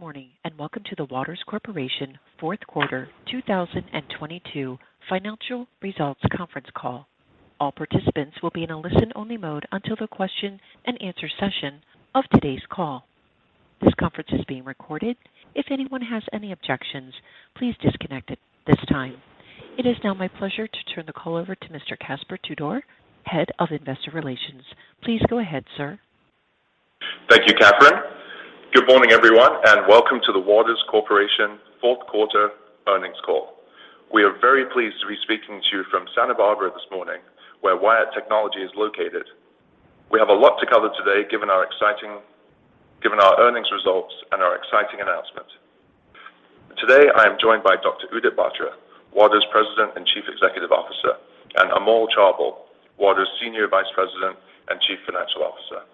Good morning, welcome to the Waters Corporation fourth quarter 2022 financial results conference call. All participants will be in a listen-only mode until the question and answer session of today's call. This conference is being recorded. If anyone has any objections, please disconnect at this time. It is now my pleasure to turn the call over to Mr. Caspar Tudor, Head of Investor Relations. Please go ahead, sir. Thank you, Catherine. Good morning, everyone, and welcome to the Waters Corporation fourth quarter earnings call. We are very pleased to be speaking to you from Santa Barbara this morning, where Wyatt Technology is located. We have a lot to cover today, given our exciting earnings results and our exciting announcement. Today, I am joined by Dr. Udit Batra, Waters' President and Chief Executive Officer, and Amol Chaubal, Waters' Senior Vice President and Chief Financial Officer.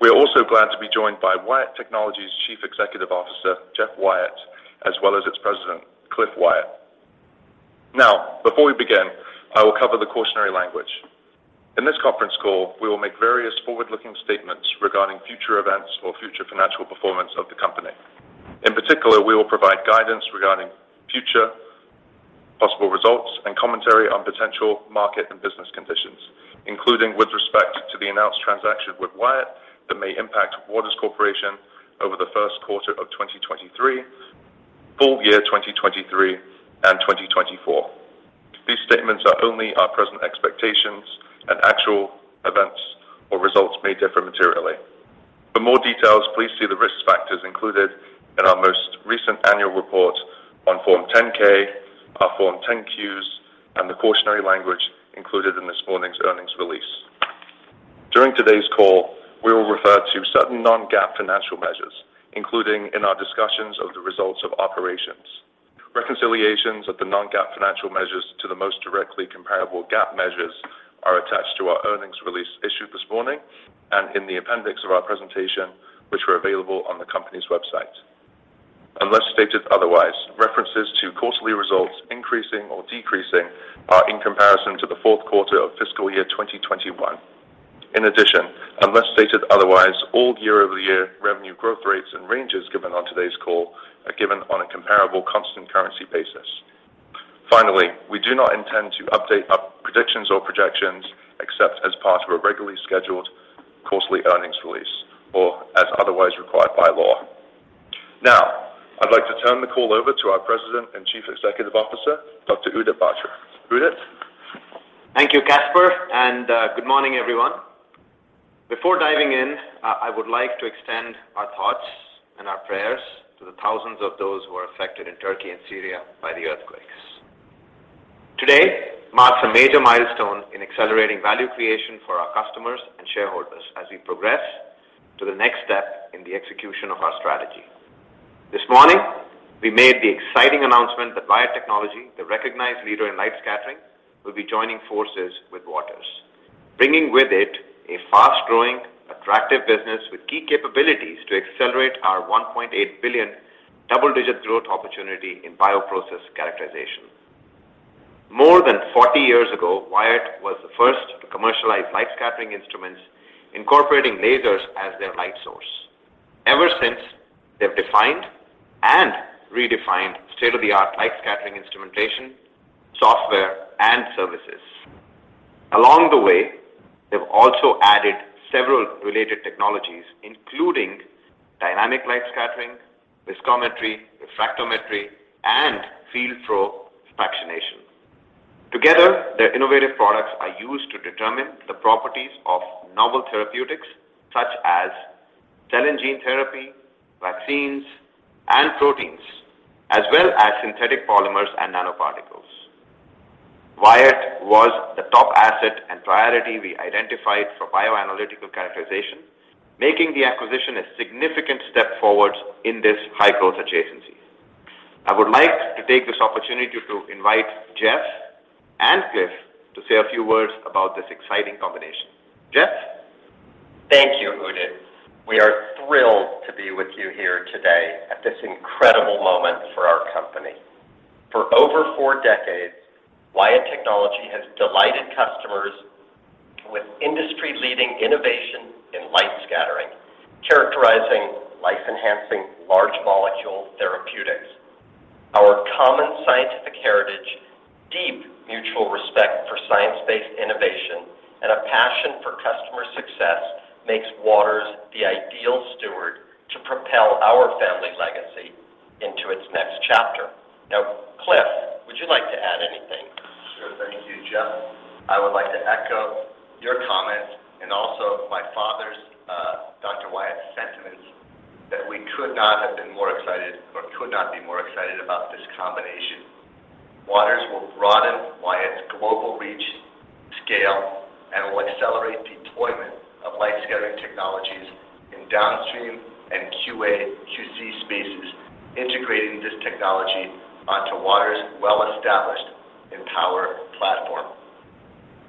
We are also glad to be joined by Wyatt Technology's Chief Executive Officer, Geof Wyatt, as well as its President, Cliff Wyatt. Now, before we begin, I will cover the cautionary language. In this conference call, we will make various forward-looking statements regarding future events or future financial performance of the company. In particular, we will provide guidance regarding future possible results and commentary on potential market and business conditions, including with respect to the announced transaction with Wyatt that may impact Waters Corporation over the first quarter of 2023, full-year 2023, and 2024. These statements are only our present expectations, and actual events or results may differ materially. For more details, please see the risk factors included in our most recent annual report on Form 10-K, our Form 10-Qs, and the cautionary language included in this morning's earnings release. During today's call, we will refer to certain non-GAAP financial measures, including in our discussions of the results of operations. Reconciliations of the non-GAAP financial measures to the most directly comparable GAAP measures are attached to our earnings release issued this morning and in the appendix of our presentation, which are available on the company's website. Unless stated otherwise, references to quarterly results increasing or decreasing are in comparison to the fourth quarter of fiscal year 2021. In addition, unless stated otherwise, all year-over-year revenue growth rates and ranges given on today's call are given on a comparable constant currency basis. Finally, we do not intend to update our predictions or projections except as part of a regularly scheduled quarterly earnings release or as otherwise required by law. Now, I'd like to turn the call over to our President and Chief Executive Officer, Dr. Udit Batra. Udit. Thank you, Caspar, good morning, everyone. Before diving in, I would like to extend our thoughts and our prayers to the thousands of those who are affected in Turkey and Syria by the earthquakes. Today marks a major milestone in accelerating value creation for our customers and shareholders as we progress to the next step in the execution of our strategy. This morning, we made the exciting announcement that Wyatt Technology, the recognized leader in light scattering, will be joining forces with Waters, bringing with it a fast-growing, attractive business with key capabilities to accelerate our $1.8 billion double-digit growth opportunity in bioprocess characterization. More than 40 years ago, Wyatt was the first to commercialize light scattering instruments incorporating lasers as their light source. Ever since, they've defined and redefined state-of-the-art light scattering instrumentation, software, and services. Along the way, they've also added several related technologies, including dynamic light scattering, viscometry, refractometry, and field-flow fractionation. Together, their innovative products are used to determine the properties of novel therapeutics, such as cell and gene therapy, vaccines, and proteins, as well as synthetic polymers and nanoparticles. Wyatt was the top asset and priority we identified for bioanalytical characterization, making the acquisition a significant step forward in this high-growth adjacency. I would like to take this opportunity to invite Geof and Cliff to say a few words about this exciting combination. Geof? Thank you, Udit. We are thrilled to be with you here today at this incredible moment for our company. For over four decades, Wyatt Technology has delighted customers with industry-leading innovation in light scattering, characterizing life-enhancing large molecule therapeutics. Our common scientific heritage, deep mutual respect for science-based innovation, and a passion for customer success makes Waters the ideal steward to propel our family's legacy into its next chapter. Now, Cliff, would you like to add anything? Sure. Thank you, Geof. I would like to echo your comments and also my father's, Dr. Wyatt's sentiments that we could not have been more excited or could not be more excited about this combination. Waters will broaden Wyatt's global reach, scale, and will accelerate deployment of light scattering technologies in downstream and QA/QC spaces, integrating this technology onto Waters' well-established Empower platform.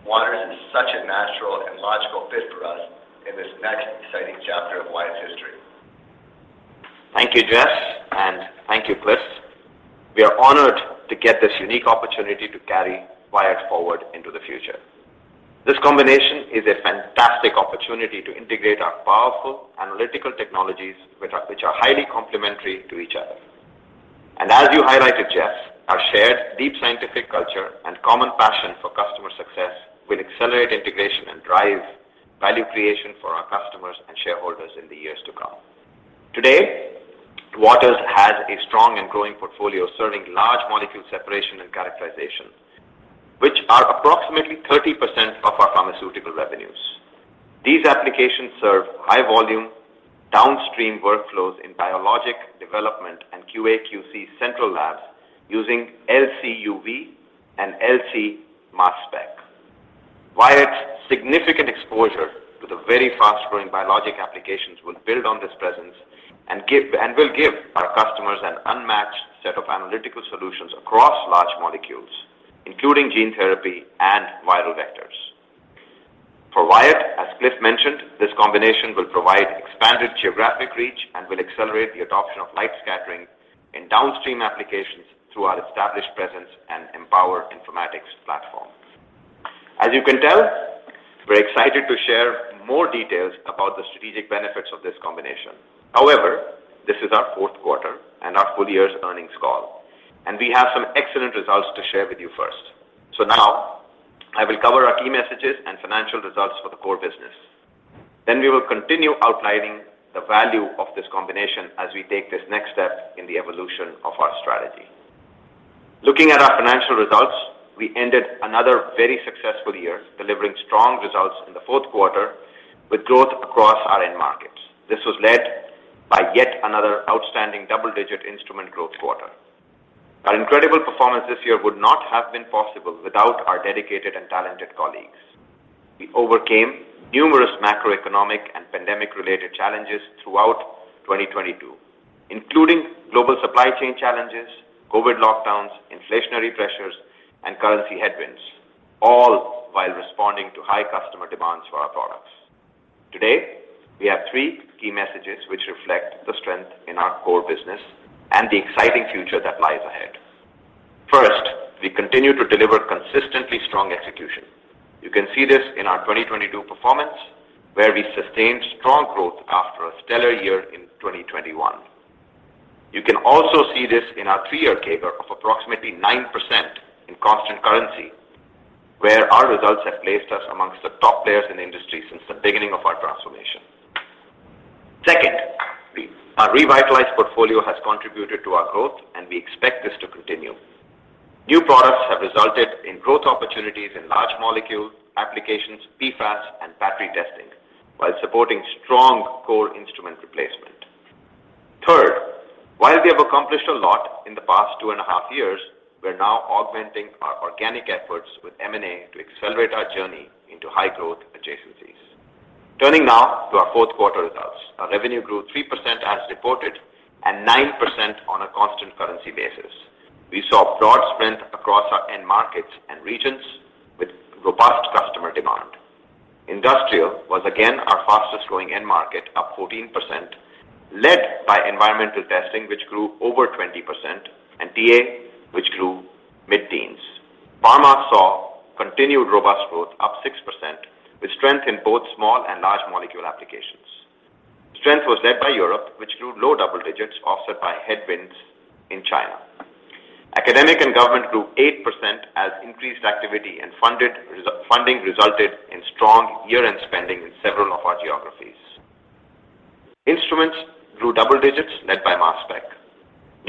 Waters is such a natural and logical fit for us in this next exciting chapter of Wyatt's history. Thank you, Geof, and thank you, Cliff. We are honored to get this unique opportunity to carry Wyatt Technology forward into the future. This combination is a fantastic opportunity to integrate our powerful analytical technologies which are highly complementary to each other. As you highlighted, Geof, our shared deep scientific culture and common passion for customer success will accelerate integration and drive value creation for our customers and shareholders in the years to come. Today, Waters Corporation has a strong and growing portfolio serving large molecule separation and characterization, which are approximately 30% of our pharmaceutical revenues. These applications serve high volume downstream workflows in biologic development and QA/QC central labs using LC-UV and LC Mass Spec. Wyatt's significant exposure to the very fast-growing biologic applications will build on this presence and will give our customers an unmatched set of analytical solutions across large molecules, including gene therapy and viral vectors. For Wyatt, as Cliff mentioned, this combination will provide expanded geographic reach and will accelerate the adoption of light scattering in downstream applications through our established presence and Empower Informatics platform. As you can tell, we're excited to share more details about the strategic benefits of this combination. However, this is our fourth quarter and our full-year's earnings call, and we have some excellent results to share with you first. Now I will cover our key messages and financial results for the core business. We will continue outlining the value of this combination as we take this next step in the evolution of our strategy. Looking at our financial results, we ended another very successful year, delivering strong results in the fourth quarter with growth across our end markets. This was led by yet another outstanding double-digit instrument growth quarter. Our incredible performance this year would not have been possible without our dedicated and talented colleagues. We overcame numerous macroeconomic and pandemic-related challenges throughout 2022, including global supply chain challenges, COVID lockdowns, inflationary pressures, and currency headwinds, all while responding to high customer demands for our products. Today, we have three key messages which reflect the strength in our core business and the exciting future that lies ahead. First, we continue to deliver consistently strong execution. You can see this in our 2022 performance, where we sustained strong growth after a stellar year in 2021. You can also see this in our three-year CAGR of approximately 9% in constant currency, where our results have placed us amongst the top players in the industry since the beginning of our transformation. Second, our revitalized portfolio has contributed to our growth, and we expect this to continue. New products have resulted in growth opportunities in large molecule applications, PFAS, and battery testing while supporting strong core instrument replacement. Third, while we have accomplished a lot in the past 2.5 years, we're now augmenting our organic efforts with M&A to accelerate our journey into high-growth adjacencies. Turning now to our fourth quarter results. Our revenue grew 3% as reported and 9% on a constant currency basis. We saw broad strength across our end markets and regions with robust customer demand. Industrial was again our fastest-growing end market, up 14%, led by environmental testing, which grew over 20%, and TA, which grew mid-teens. Pharma saw continued robust growth, up 6%, with strength in both small and large molecule applications. Strength was led by Europe, which grew low double digits, offset by headwinds in China. Academic and government grew 8% as increased activity and funding resulted in strong year-end spending in several of our geographies. Instruments grew double digits led by Mass Spec.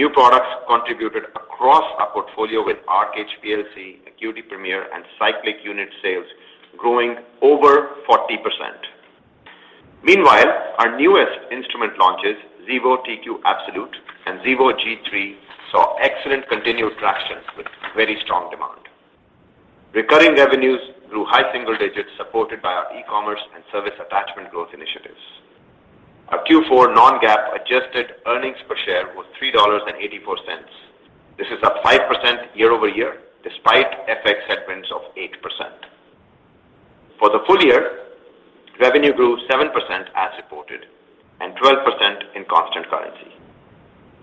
New products contributed across our portfolio with Arc HPLC, ACQUITY Premier, and Cyclic unit sales growing over 40%. Meanwhile, our newest instrument launches, Xevo TQ Absolute and Xevo G3, saw excellent continued traction with very strong demand. Recurring revenues grew high single digits, supported by our e-commerce and service attachment growth initiatives. Our Q4 non-GAAP adjusted earnings per share was $3.84. This is up 5% year-over-year, despite FX headwinds of 8%. For the full-year, revenue grew 7% as reported and 12% in constant currency.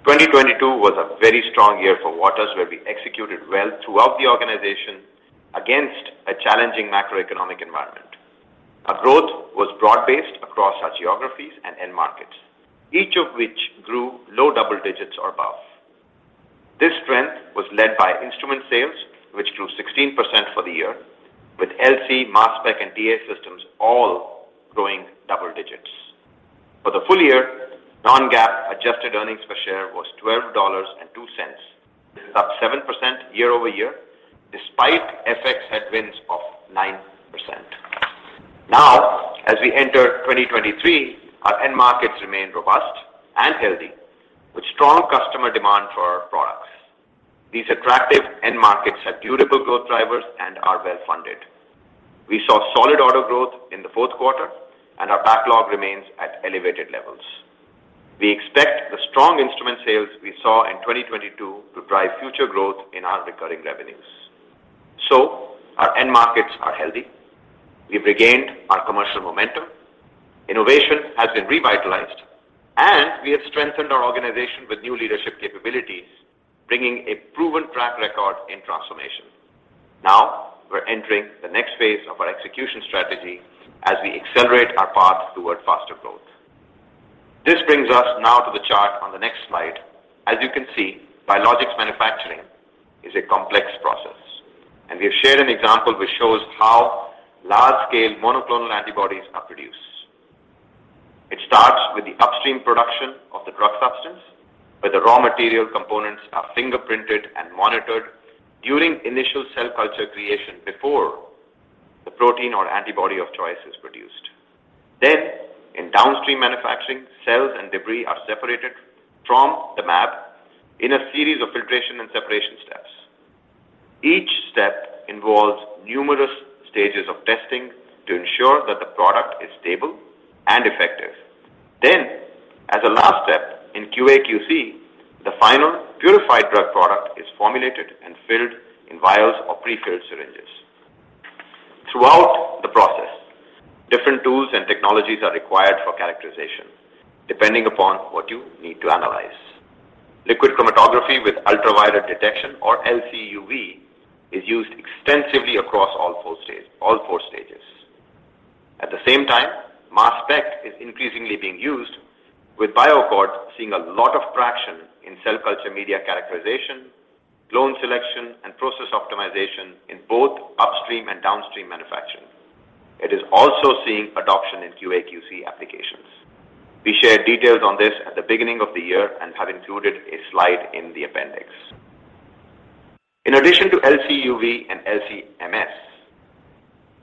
2022 was a very strong year for Waters, where we executed well throughout the organization against a challenging macroeconomic environment. Our growth was broad-based across our geographies and end markets, each of which grew low double digits or above. This strength was led by instrument sales, which grew 16% for the year, with LC, Mass Spec, and TA systems all growing double digits. For the full-year, non-GAAP adjusted earnings per share was $12.02. This is up 7% year-over-year despite FX headwinds of 9%. As we enter 2023, our end markets remain robust and healthy, with strong customer demand for our products. These attractive end markets are durable growth drivers and are well-funded. We saw solid order growth in the fourth quarter and our backlog remains at elevated levels. We expect the strong instrument sales we saw in 2022 to drive future growth in our recurring revenues. Our end markets are healthy. We've regained our commercial momentum. Innovation has been revitalized. We have strengthened our organization with new leadership capabilities, bringing a proven track record in transformation. We're entering the next phase of our execution strategy as we accelerate our path toward faster growth. This brings us now to the chart on the next slide. As you can see, biologics manufacturing is a complex process, and we have shared an example which shows how large-scale monoclonal antibodies are produced. It starts with the upstream production of the drug substance, where the raw material components are fingerprinted and monitored during initial cell culture creation before the protein or antibody of choice is produced. In downstream manufacturing, cells and debris are separated from the mAb in a series of filtration and separation steps. Each step involves numerous stages of testing to ensure that the product is stable and effective. As a last step in QA/QC, the final purified drug product is formulated and filled in vials or pre-filled syringes. Throughout the process, different tools and technologies are required for characterization, depending upon what you need to analyze. Liquid chromatography with ultraviolet detection, or LC-UV, is used extensively across all four stages. At the same time, Mass Spec is increasingly being used with BioAccord, seeing a lot of traction in cell culture media characterization, clone selection, and process optimization in both upstream and downstream manufacturing. It is also seeing adoption in QA/QC applications. We shared details on this at the beginning of the year and have included a slide in the appendix. In addition to LC-UV and LC-MS,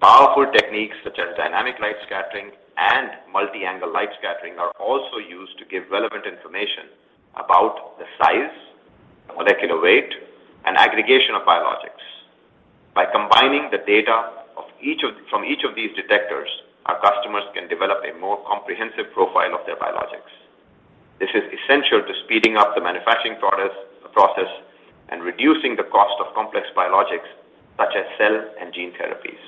powerful techniques such as dynamic light scattering and multi-angle light scattering are also used to give relevant information about the size, molecular weight, and aggregation of biologics. By combining the data from each of these detectors, our customers can develop a more comprehensive profile of their biologics. This is essential to speeding up the manufacturing process, and reducing the cost of complex biologics such as cell and gene therapies.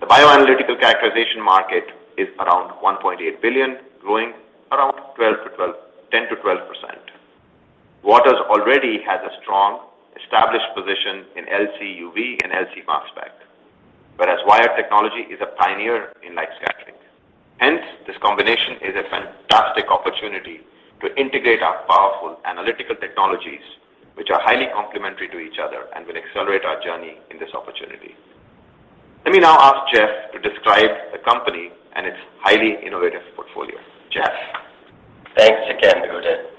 The bioanalytical characterization market is around $1.8 billion, growing around 10%-12%. Waters already has a strong, established position in LC-UV and LC Mass Spec, whereas Wyatt Technology is a pioneer in light scattering. Hence, this combination is a fantastic opportunity to integrate our powerful analytical technologies which are highly complementary to each other and will accelerate our journey in this opportunity. Let me now ask Geof to describe the company and its highly innovative portfolio. Geof? Thanks again, Udit.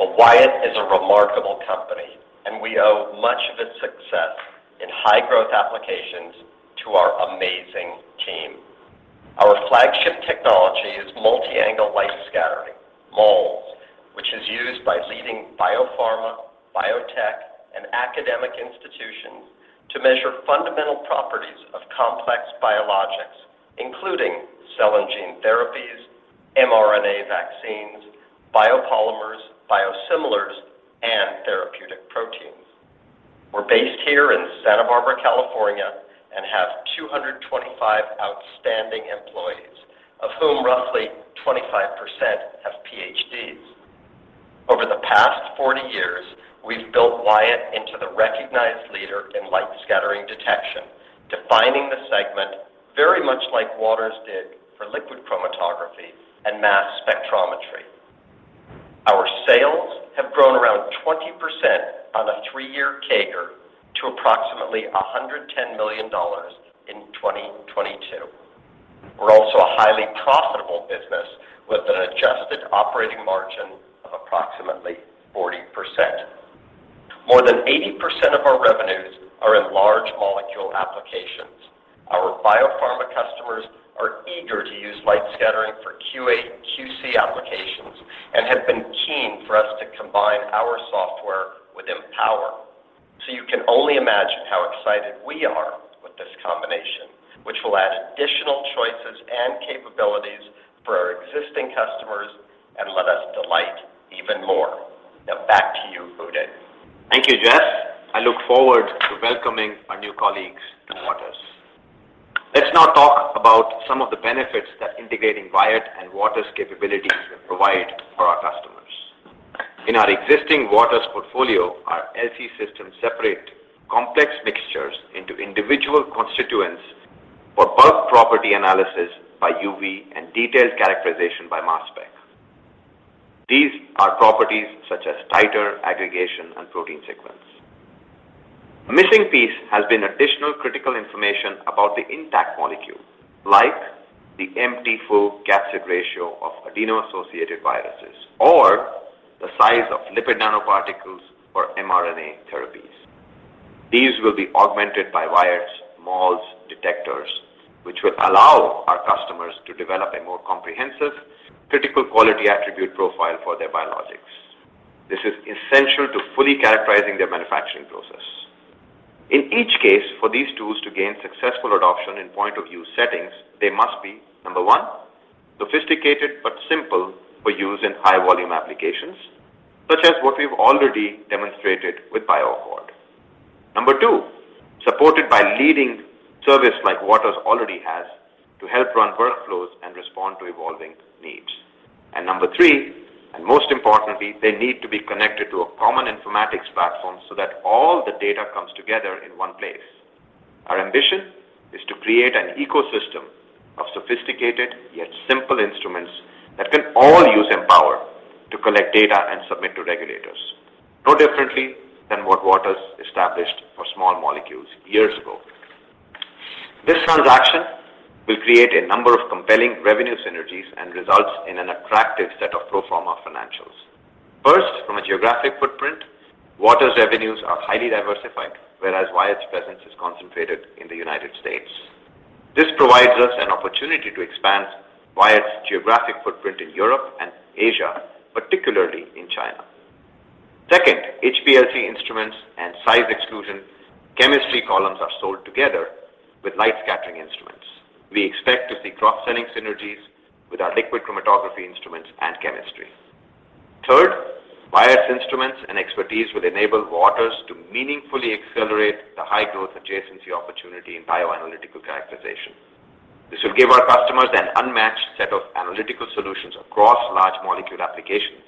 Wyatt is a remarkable company, and we owe much of its success in high-growth applications to our amazing team. Our flagship technology is multi-angle light scattering, MALS, which is used by leading biopharma, biotech, and academic institutions to measure fundamental properties of complex biologics, including cell and gene therapies, mRNA vaccines, biopolymers, biosimilars, and therapeutic proteins. We're based here in Santa Barbara, California, and have 225 outstanding employees, of whom roughly 25% have PhDs. Over the past 40 years, we've built Wyatt into the recognized leader in light scattering detection, defining the segment very much like Waters did for liquid chromatography and Mass Spectrometry. Our sales have grown around 20% on a three-year CAGR to approximately $110 million in 2022. We're also a highly profitable business with an adjusted operating margin of approximately 40%. More than 80% of our revenues are in large molecule applications. Our biopharma customers are eager to use light scattering for QA/QC applications and have been keen for us to combine our software with Empower. You can only imagine how excited we are with this combination, which will add additional choices and capabilities for our existing customers and let us delight even more. Now back to you, Udit. Thank you, Geof. I look forward to welcoming our new colleagues in Waters. Let's now talk about some of the benefits that integrating Wyatt and Waters capabilities will provide for our customers. In our existing Waters portfolio, our LC systems separate complex mixtures into individual constituents for bulk property analysis by UV and detailed characterization by Mass Spec. These are properties such as titer, aggregation, and protein sequence. A missing piece has been additional critical information about the intact molecule, like the empty-full capsid ratio of adeno-associated viruses or the size of lipid nanoparticles for mRNA therapies. These will be augmented by Wyatt's MALS detectors, which will allow our customers to develop a more comprehensive critical quality attribute profile for their biologics. This is essential to fully characterizing their manufacturing process. In each case, for these tools to gain successful adoption in point of view settings, they must be, number one, sophisticated but simple for use in high-volume applications, such as what we've already demonstrated with BioAccord. A leading service like Waters already has to help run workflows and respond to evolving needs. Number three, and most importantly, they need to be connected to a common informatics platform so that all the data comes together in one place. Our ambition is to create an ecosystem of sophisticated yet simple instruments that can all use Empower to collect data and submit to regulators. No differently than what Waters established for small molecules years ago. This transaction will create a number of compelling revenue synergies and results in an attractive set of pro forma financials. First, from a geographic footprint, Waters revenues are highly diversified, whereas Wyatt's presence is concentrated in the United States. This provides us an opportunity to expand Wyatt's geographic footprint in Europe and Asia, particularly in China. Second, HPLC instruments and size exclusion chemistry columns are sold together with light scattering instruments. We expect to see cross-selling synergies with our liquid chromatography instruments and chemistry. Third, Wyatt's instruments and expertise will enable Waters to meaningfully accelerate the high-growth adjacency opportunity in bioanalytical characterization. This will give our customers an unmatched set of analytical solutions across large molecule applications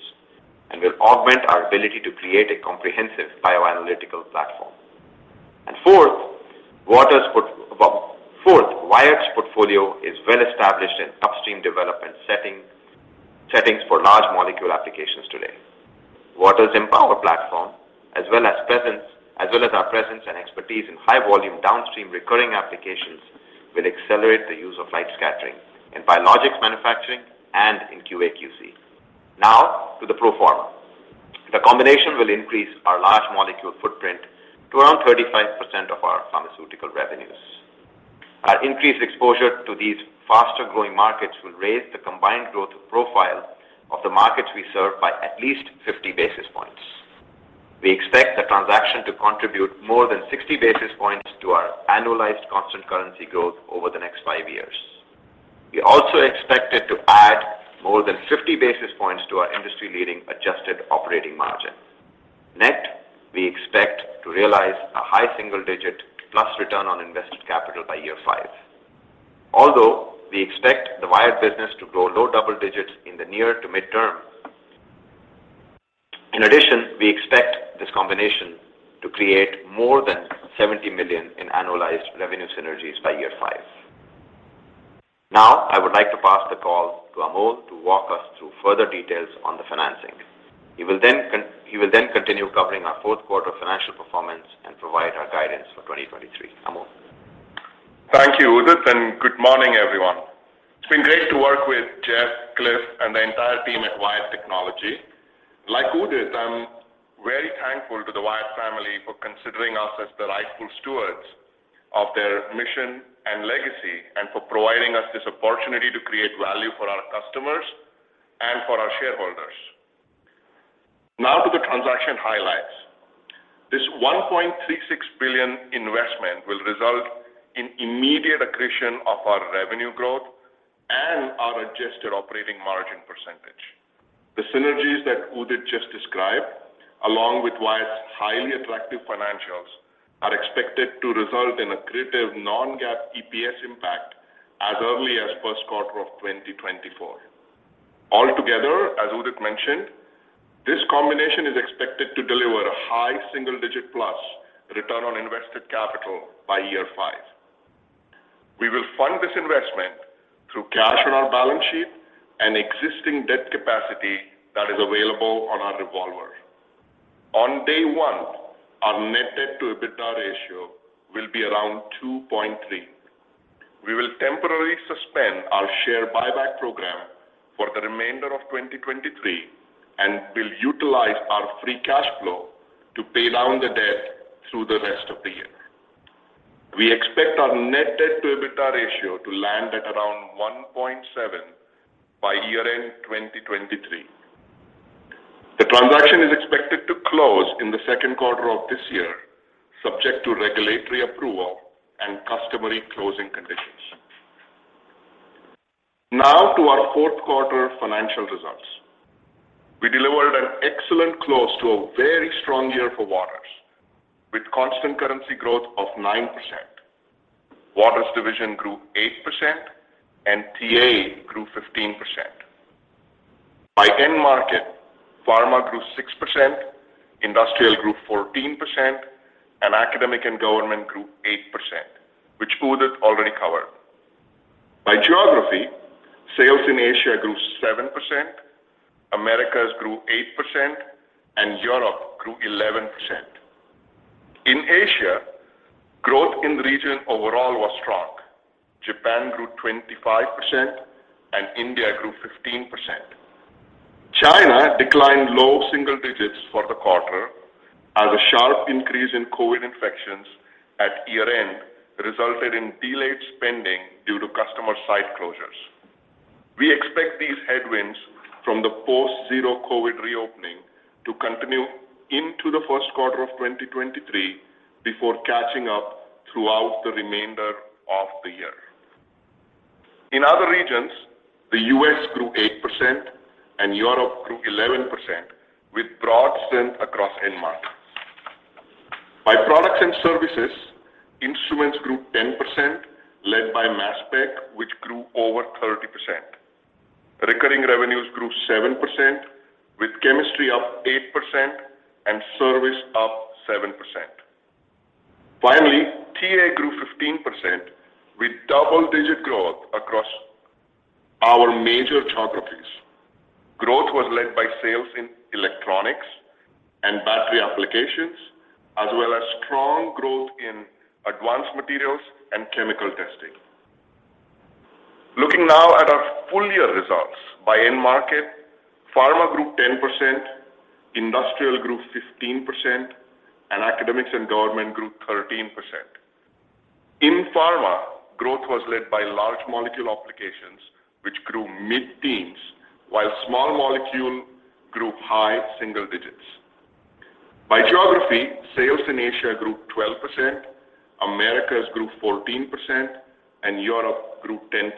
and will augment our ability to create a comprehensive bioanalytical platform. Fourth, Wyatt's portfolio is well-established in upstream development settings for large molecule applications today. Waters Empower platform as well as our presence and expertise in high volume downstream recurring applications will accelerate the use of light scattering in biologics manufacturing and in QA/QC. Now to the pro forma. The combination will increase our large molecule footprint to around 35% of our pharmaceutical revenues. Our increased exposure to these faster-growing markets will raise the combined growth profile of the markets we serve by at least 50 basis points. We expect the transaction to contribute more than 60 basis points to our annualized constant currency growth over the next five years. We also expect it to add more than 50 basis points to our industry-leading adjusted operating margin. Net, we expect to realize a high single-digit plus return on invested capital by year five. Although we expect the Wyatt business to grow low double digits in the near to mid-term. We expect this combination to create more than $70 million in annualized revenue synergies by year five. I would like to pass the call to Amol to walk us through further details on the financing. He will continue covering our fourth quarter financial performance and provide our guidance for 2023. Amol. Thank you, Udit, and good morning, everyone. It's been great to work with Geof, Cliff, and the entire team at Wyatt Technology. Like Udit, I'm very thankful to the Wyatt family for considering us as the rightful stewards of their mission and legacy, and for providing us this opportunity to create value for our customers and for our shareholders. Now to the transaction highlights. This $1.36 billion investment will result in immediate accretion of our revenue growth and our adjusted operating margin %. The synergies that Udit just described, along with Wyatt's highly attractive financials, are expected to result in accretive non-GAAP EPS impact as early as first quarter of 2024. Altogether, as Udit mentioned, this combination is expected to deliver a high single-digit+ return on invested capital by year five. We will fund this investment through cash on our balance sheet and existing debt capacity that is available on our revolver. On day one, our net debt to EBITDA ratio will be around 2.3. We will temporarily suspend our share buyback program for the remainder of 2023, and we'll utilize our free cash flow to pay down the debt through the rest of the year. We expect our net debt to EBITDA ratio to land at around 1.7 by year-end 2023. The transaction is expected to close in the second quarter of this year, subject to regulatory approval and customary closing conditions. To our fourth quarter financial results. We delivered an excellent close to a very strong year for Waters, with constant currency growth of 9%. Waters division grew 8%, and TA grew 15%. By end market, pharma grew 6%, industrial grew 14%, academic and government grew 8%, which Udit already covered. By geography, sales in Asia grew 7%, Americas grew 8%, Europe grew 11%. In Asia, growth in the region overall was strong. Japan grew 25%, India grew 15%. China declined low single digits for the quarter as a sharp increase in COVID infections at year-end resulted in delayed spending due to customer site closures. We expect these headwinds from the post-zero COVID reopening to continue into the first quarter of 2023 before catching up throughout the remainder of the year. Europe grew 11% with broad strength across end markets. By products and services, instruments grew 10% led by Mass Spec, which grew over 30%. Recurring revenues grew 7%, with chemistry up 8% and service up 7%. TA grew 15% with double-digit growth across our major geographies. Growth was led by sales in electronics and battery applications, as well as strong growth in advanced materials and chemical testing. Looking now at our full-year results by end market, pharma grew 10%, industrial grew 15%, and academics and government grew 13%. In pharma, growth was led by large molecule applications, which grew mid-teens, while small molecule grew high single digits. By geography, sales in Asia grew 12%, Americas grew 14%, and Europe grew 10%.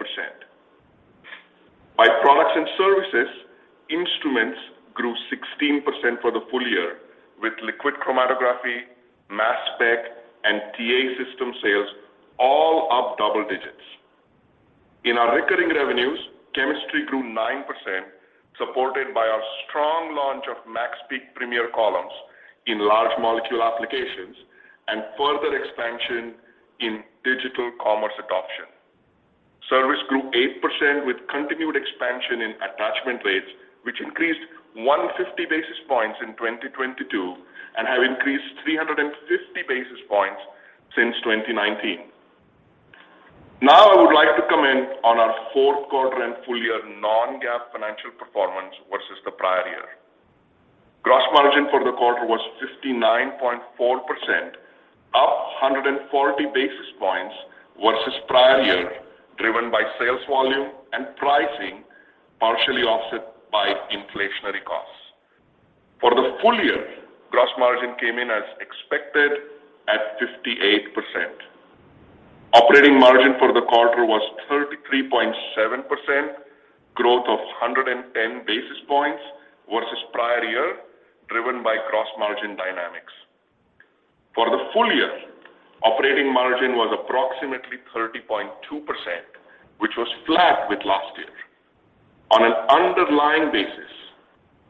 By products and services, instruments grew 16% for the full-year, with liquid chromatography, Mass Spec, and TA system sales all up double digits. In our recurring revenues, chemistry grew 9%, supported by our strong launch of MaxPeak Premier columns in large molecule applications and further expansion in digital commerce adoption. Service grew 8% with continued expansion in attachment rates, which increased 150 basis points in 2022 and have increased 350 basis points since 2019. I would like to comment on our fourth quarter and full-year non-GAAP financial performance versus the prior year. Gross margin for the quarter was 59.4%, up 140 basis points versus prior year, driven by sales volume and pricing, partially offset by inflationary costs. For the full-year, gross margin came in as expected at 58%. Operating margin for the quarter was 33.7%, growth of 110 basis points versus prior year, driven by gross margin dynamics. For the full-year, operating margin was approximately 30.2%, which was flat with last year. On an underlying basis,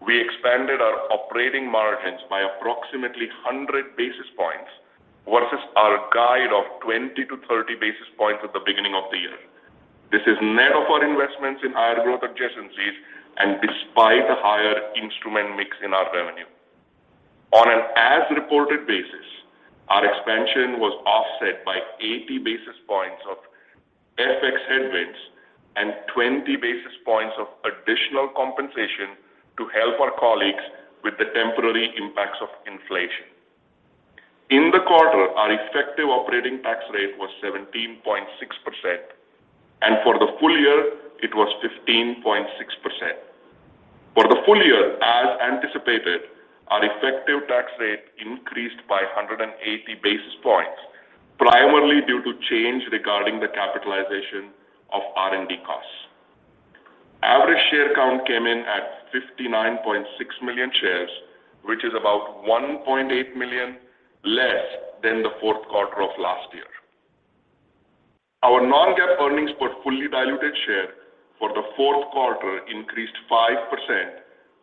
we expanded our operating margins by approximately 100 basis points versus our guide of 20 to 30 basis points at the beginning of the year. This is net of our investments in higher growth adjacencies and despite the higher instrument mix in our revenue. On an as-reported basis, our expansion was offset by 80 basis points of FX headwinds and 20 basis points of additional compensation to help our colleagues with the temporary impacts of inflation. In the quarter, our effective operating tax rate was 17.6%, and for the full-year it was 15.6%. For the full-year, as anticipated, our effective tax rate increased by 180 basis points, primarily due to change regarding the capitalization of R&D costs. Average share count came in at 59.6 million shares, which is about 1.8 million less than the fourth quarter of last year. Our non-GAAP earnings per fully diluted share for the fourth quarter increased 5%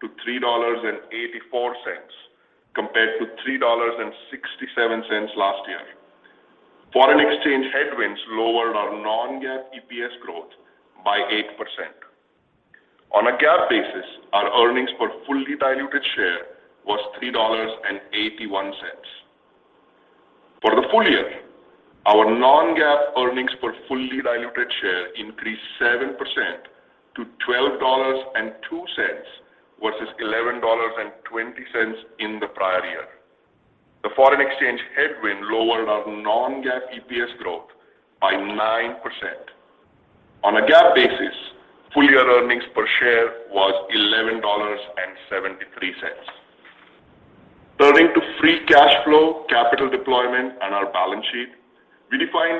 to $3.84 compared to $3.67 last year. Foreign exchange headwinds lowered our non-GAAP EPS growth by 8%. On a GAAP basis, our earnings per fully diluted share was $3.81. For the full-year, our non-GAAP earnings per fully diluted share increased 7% to $12.02 versus $11.20 in the prior year. The foreign exchange headwind lowered our non-GAAP EPS growth by 9%. On a GAAP basis, full-year earnings per share was $11.73. Turning to free cash flow, capital deployment, and our balance sheet. We define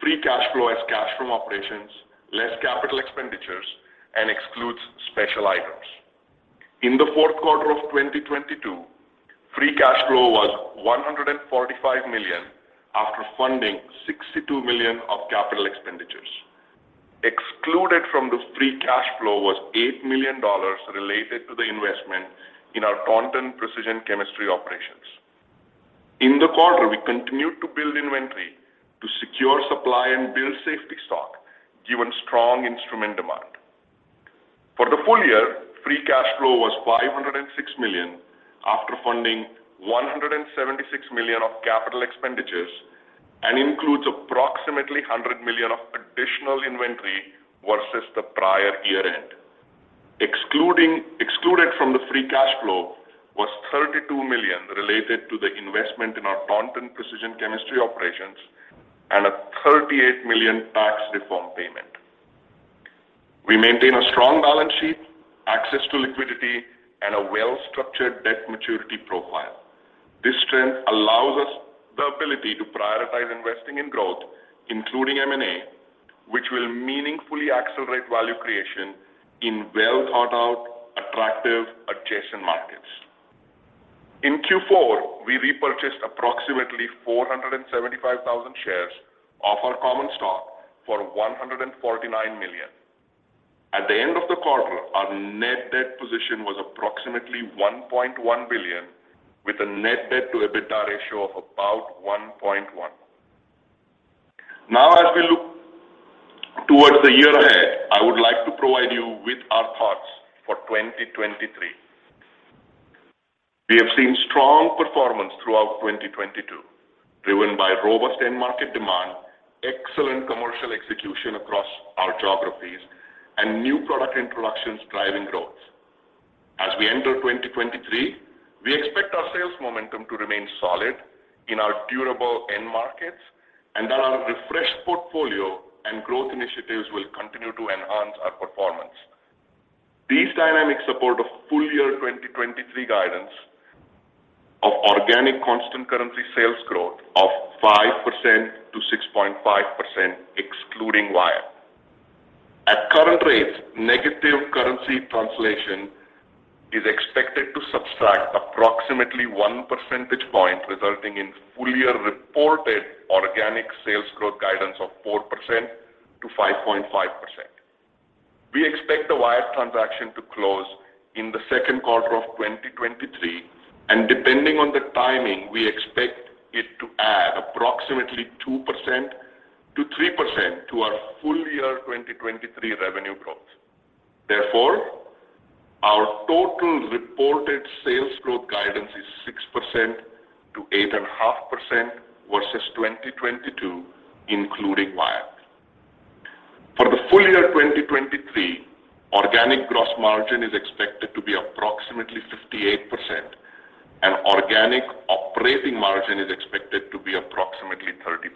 free cash flow as cash from operations, less CapEx, and excludes special items. In the fourth quarter of 2022, free cash flow was $145 million after funding $62 million of CapEx. Excluded from the free cash flow was $8 million related to the investment in our Taunton Precision Chemistry operations. In the quarter, we continued to build inventory to secure supply and build safety stock given strong instrument demand. For the full-year, free cash flow was $506 million after funding $176 million of CapEx and includes approximately $100 million of additional inventory versus the prior year end. Excluded from the free cash flow was $32 million related to the investment in our Taunton Precision Chemistry operations and a $38 million tax reform payment. We maintain a strong balance sheet, access to liquidity, and a well-structured debt maturity profile. This strength allows us, our ability to prioritize investing in growth, including M&A, which will meaningfully accelerate value creation in well thought out, attractive adjacent markets. In Q4, we repurchased approximately 475,000 shares of our common stock for $149 million. At the end of the quarter, our net debt position was approximately $1.1 billion, with a net debt to EBITDA ratio of about 1.1. Now as we look towards the year ahead, I would like to provide you with our thoughts for 2023. We have seen strong performance throughout 2022, driven by robust end market demand, excellent commercial execution across our geographies, and new product introductions driving growth. As we enter 2023, we expect our sales momentum to remain solid in our durable end markets and that our refreshed portfolio and growth initiatives will continue to enhance our performance. These dynamics support a full-year 2023 guidance of organic constant currency sales growth of 5% to 6.5%, excluding Wyatt. At current rates, negative currency translation is expected to subtract approximately 1 percentage point, resulting in full-year reported organic sales growth guidance of 4% to 5.5%. We expect the Wyatt transaction to close in the second quarter of 2023, and depending on the timing, we expect it to add approximately 2% to 3% to our full-year 2023 revenue growth. Our total reported sales growth guidance is 6% to 8.5% versus 2022, including Wyatt. For the full-year 2023, organic gross margin is expected to be approximately 58%, and organic operating margin is expected to be approximately 30%.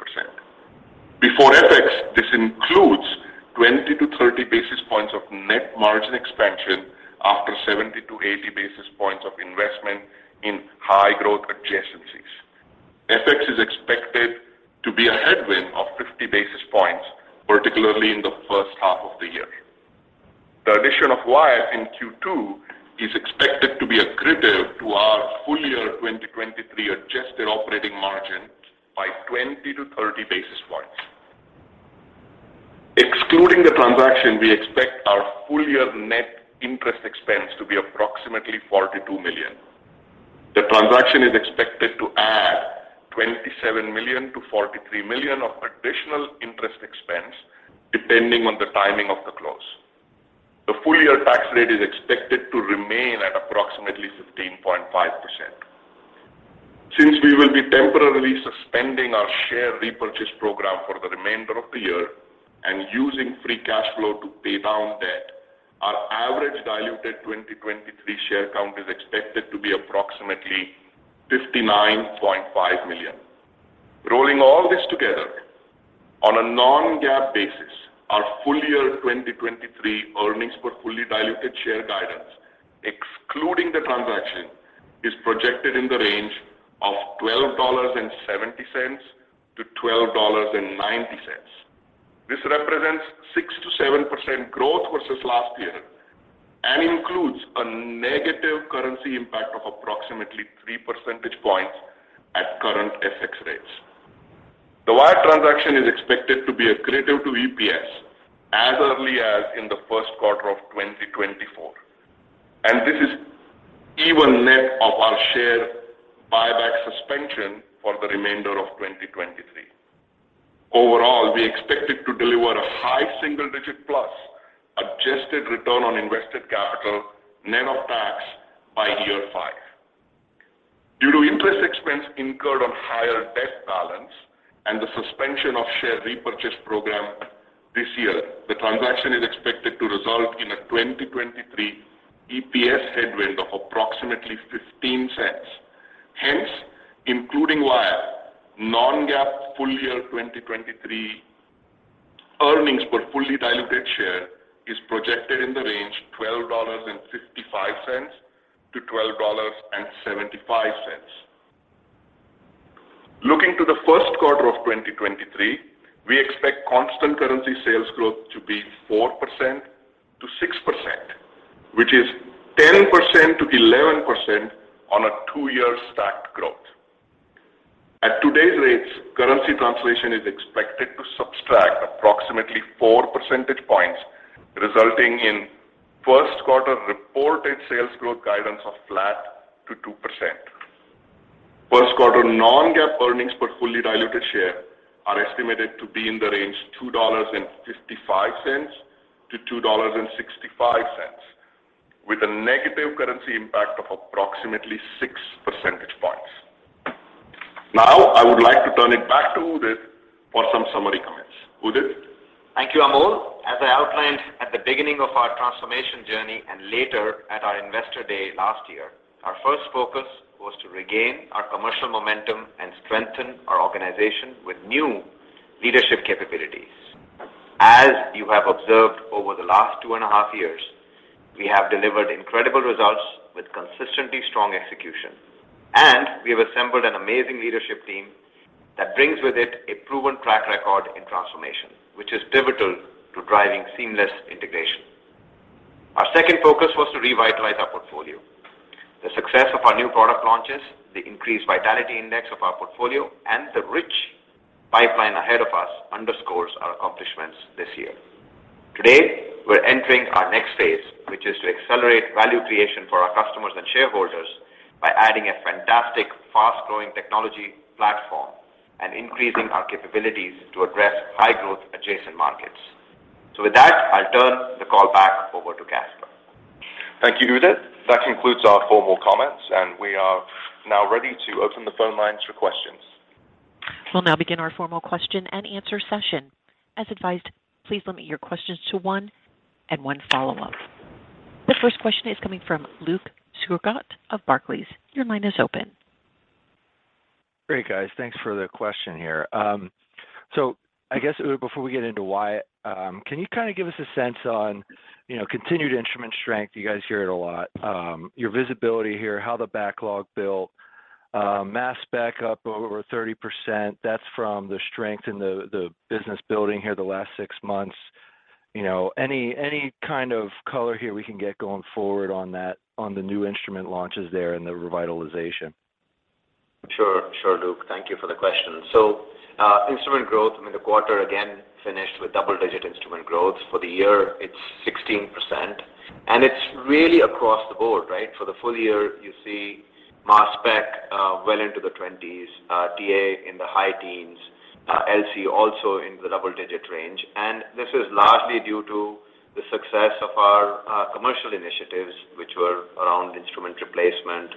Before FX, this includes 20-30 basis points of net margin expansion after 70-80 basis points of investment in high growth adjacencies. FX is expected to be a headwind of 50 basis points, particularly in the first half of the year. The addition of Wyatt in Q2 is expected to be accretive to our full-year 2023 adjusted operating margin by 20-30 basis points. Excluding the transaction, we expect our full-year net interest expense to be approximately $42 million. The transaction is expected to add $27 million-$43 million of additional interest expense, depending on the timing of the close. The full-year tax rate is expected to remain at approximately 15.5%. Since we will be temporarily suspending our share repurchase program for the remainder of the year and using free cash flow to pay down debt, our average diluted 2023 share count is expected to be approximately 59.5 million. Rolling all this together, on a non-GAAP basis, our full-year 2023 earnings per fully diluted share guidance, excluding the transaction, is projected in the range of $12.70-$12.90. This represents 6%-7% growth versus last year and includes a negative currency impact of approximately 3 percentage points at current FX rates. The Wyatt transaction is expected to be accretive to EPS as early as in the first quarter of 2024, and this is even net of our share buyback suspension for the remainder of 2023. Overall, we expect it to deliver a high single-digit plus adjusted return on invested capital net of tax by year five. Due to interest expense incurred on higher debt balance and the suspension of share repurchase program this year, the transaction is expected to result in a 2023 EPS headwind of approximately $0.15. Including Wyatt, non-GAAP full-year 2023 earnings per fully diluted share is projected in the range $12.55-$12.75. Looking to the first quarter of 2023, we expect constant currency sales growth to be 4%-6%, which is 10%-11% on a two-year stacked growth. At today's rates, currency translation is expected to subtract approximately four percentage points, resulting in first quarter reported sales growth guidance of flat to 2%. First quarter non-GAAP earnings per fully diluted share are estimated to be in the range $2.55-$2.65, with a negative currency impact of approximately 6 percentage points. I would like to turn it back to Udit for some summary comments. Udit? Thank you, Amol. As I outlined at the beginning of our transformation journey and later at our Investor Day last year, our first focus was to regain our commercial momentum and strengthen our organization with new leadership capabilities. You have observed over the last 2.5 years, we have delivered incredible results with consistently strong execution. We have assembled an amazing leadership team that brings with it a proven track record in transformation, which is pivotal to driving seamless integration. Our second focus was to revitalize our portfolio. The success of our new product launches, the increased vitality index of our portfolio, and the rich pipeline ahead of us underscores our accomplishments this year. Today, we're entering our next phase, which is to accelerate value creation for our customers and shareholders by adding a fantastic fast-growing technology platform and increasing our capabilities to address high-growth adjacent markets. With that, I'll turn the call back over to Caspar. Thank you, Udit. That concludes our formal comments. We are now ready to open the phone lines for questions. We'll now begin our formal question and answer session. As advised, please limit your questions to one and one follow-up. The first question is coming from Luke Sergott of Barclays. Your line is open. Great, guys. Thanks for the question here. I guess, Udit, before we get into Wyatt, can you kind of give us a sense on, you know, continued instrument strength? You guys hear it a lot. Your visibility here, how the backlog built, Mass Spec up over 30%, that's from the strength in the business building here the last six months. You know, any kind of color here we can get going forward on that, on the new instrument launches there and the revitalization? Sure. Sure, Luke. Thank you for the question. Instrument growth in the quarter, again, finished with double-digit instrument growth. For the year, it's 16%, and it's really across the board, right? For the full-year, you see Mass Spec, well into the 20s, TA in the high teens, LC also in the double-digit range. This is largely due to the success of our commercial initiatives, which were around instrument replacement,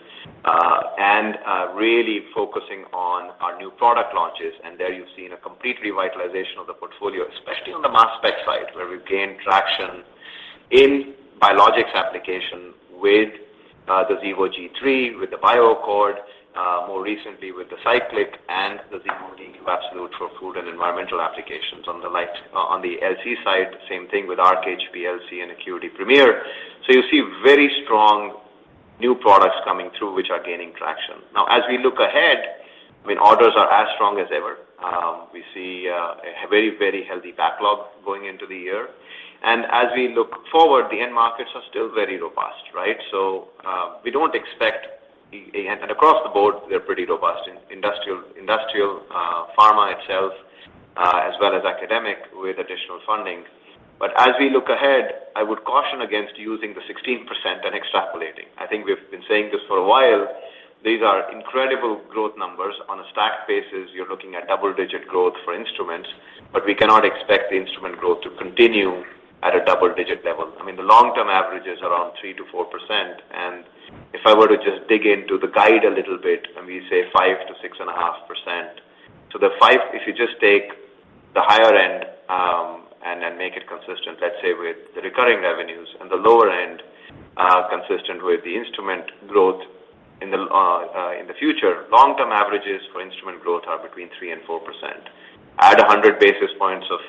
and really focusing on our new product launches. There you've seen a complete revitalization of the portfolio, especially on the Mass Spec side, where we've gained traction in biologics application with the Xevo G3, with the BioAccord, more recently with the Cyclic and the Xevo TQ Absolute for food and environmental applications. On the LC side, same thing with Arc HPLC and ACQUITY Premier. You see very strong new products coming through, which are gaining traction. Now as we look ahead, I mean, orders are as strong as ever. We see a very healthy backlog going into the year. As we look forward, the end markets are still very robust, right? We don't expect and across the board, they're pretty robust in industrial, pharma itself, as well as academic with additional funding. As we look ahead, I would caution against using the 16% and extrapolating. I think we've been saying this for a while. These are incredible growth numbers. On a stack basis, you're looking at double-digit growth for instruments, we cannot expect the instrument growth to continue at a double-digit level. I mean, the long-term average is around 3%-4%. If I were to just dig into the guide a little bit and we say 5%-6.5%. The 5%, if you just take the higher end, and then make it consistent, let’s say, with the recurring revenues and the lower end, consistent with the instrument growth in the future, long-term averages for instrument growth are between 3% and 4%. Add 100 basis points of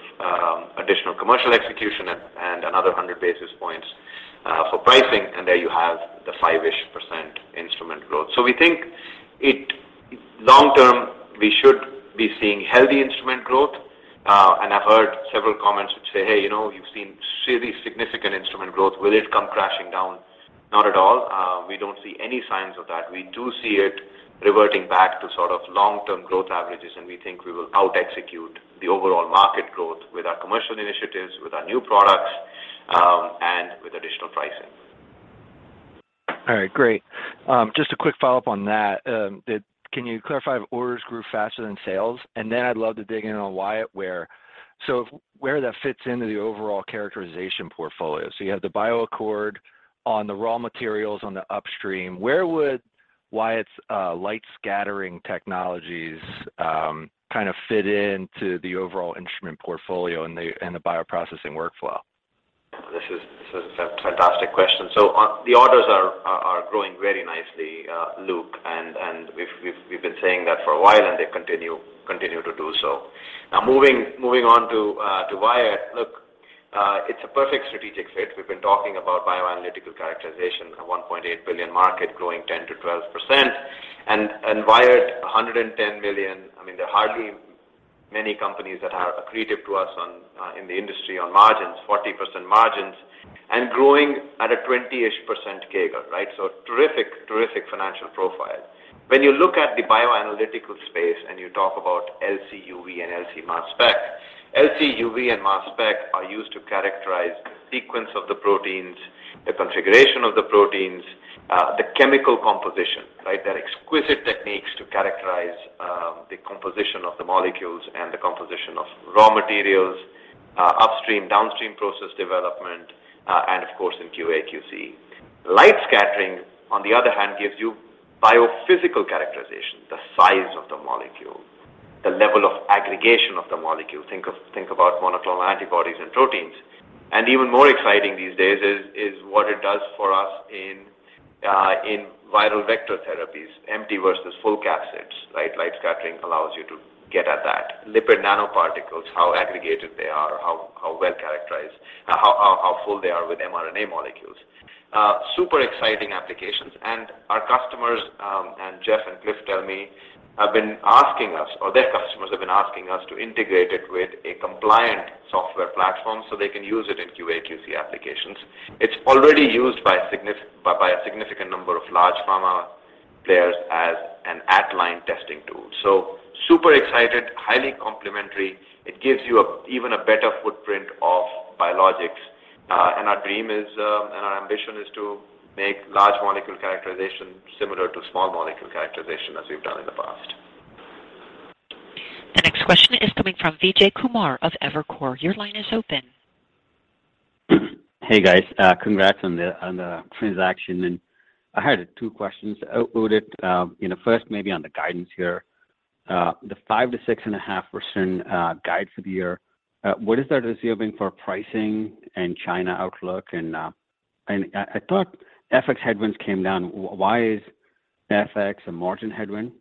additional commercial execution and another 100 basis points for pricing, and there you have the 5%-ish instrument growth. We think long term, we should be seeing healthy instrument growth. I’ve heard several comments which say, "Hey, you know, you’ve seen really significant instrument growth. Will it come crashing down?" Not at all. We don't see any signs of that. We do see it reverting back to sort of long-term growth averages, and we think we will outexecute the overall market growth with our commercial initiatives, with our new products, and with additional pricing. All right, great. Just a quick follow-up on that. Can you clarify if orders grew faster than sales? I'd love to dig in on Wyatt where that fits into the overall characterization portfolio. You have the BioAccord on the raw materials on the upstream. Where would Wyatt's light scattering technologies kind of fit into the overall instrument portfolio and the bioprocessing workflow? This is a fantastic question. The orders are growing very nicely, Luke, and we've been saying that for a while, and they continue to do so. Now moving on to Wyatt. Look, it's a perfect strategic fit. We've been talking about bioanalytical characterization, a $1.8 billion market growing 10%-12%. Wyatt, $110 million. I mean, there are hardly many companies that are accretive to us in the industry on margins, 40% margins, and growing at a 20%-ish CAGR, right? Terrific financial profile. When you look at the bioanalytical space and you talk about LC-UV and LC-MS, LC-UV and Mass Spec are used to characterize the sequence of the proteins, the configuration of the proteins, the chemical composition, right? They're exquisite techniques to characterize the composition of the molecules and the composition of raw materials, upstream, downstream process development, and of course, in QA/QC. Light scattering, on the other hand, gives you biophysical characterization, the size of the molecule, the level of aggregation of the molecule. Think about monoclonal antibodies and proteins. Even more exciting these days is what it does for us in viral vector therapies, empty versus full capsids, right? Light scattering allows you to get at that. Lipid nanoparticles, how aggregated they are, how well characterized, how full they are with mRNA molecules. Super exciting applications. Our customers, and Geof and Cliff tell me, have been asking us, or their customers have been asking us to integrate it with a compliant software platform so they can use it in QA/QC applications. It's already used by a significant number of large pharma players as an at-line testing tool. Super excited, highly complementary. It gives you even a better footprint of biologics. Our dream is, and our ambition is to make large molecule characterization similar to small molecule characterization as we've done in the past. The next question is coming from Vijay Kumar of Evercore. Your line is open. Hey, guys. Congrats on the transaction. I had two questions. I'll put it, you know, first maybe on the guidance here. The 5% to 6.5% guide for the year, what is that assuming for pricing and China outlook? I thought FX headwinds came down. Why is FX a margin headwind?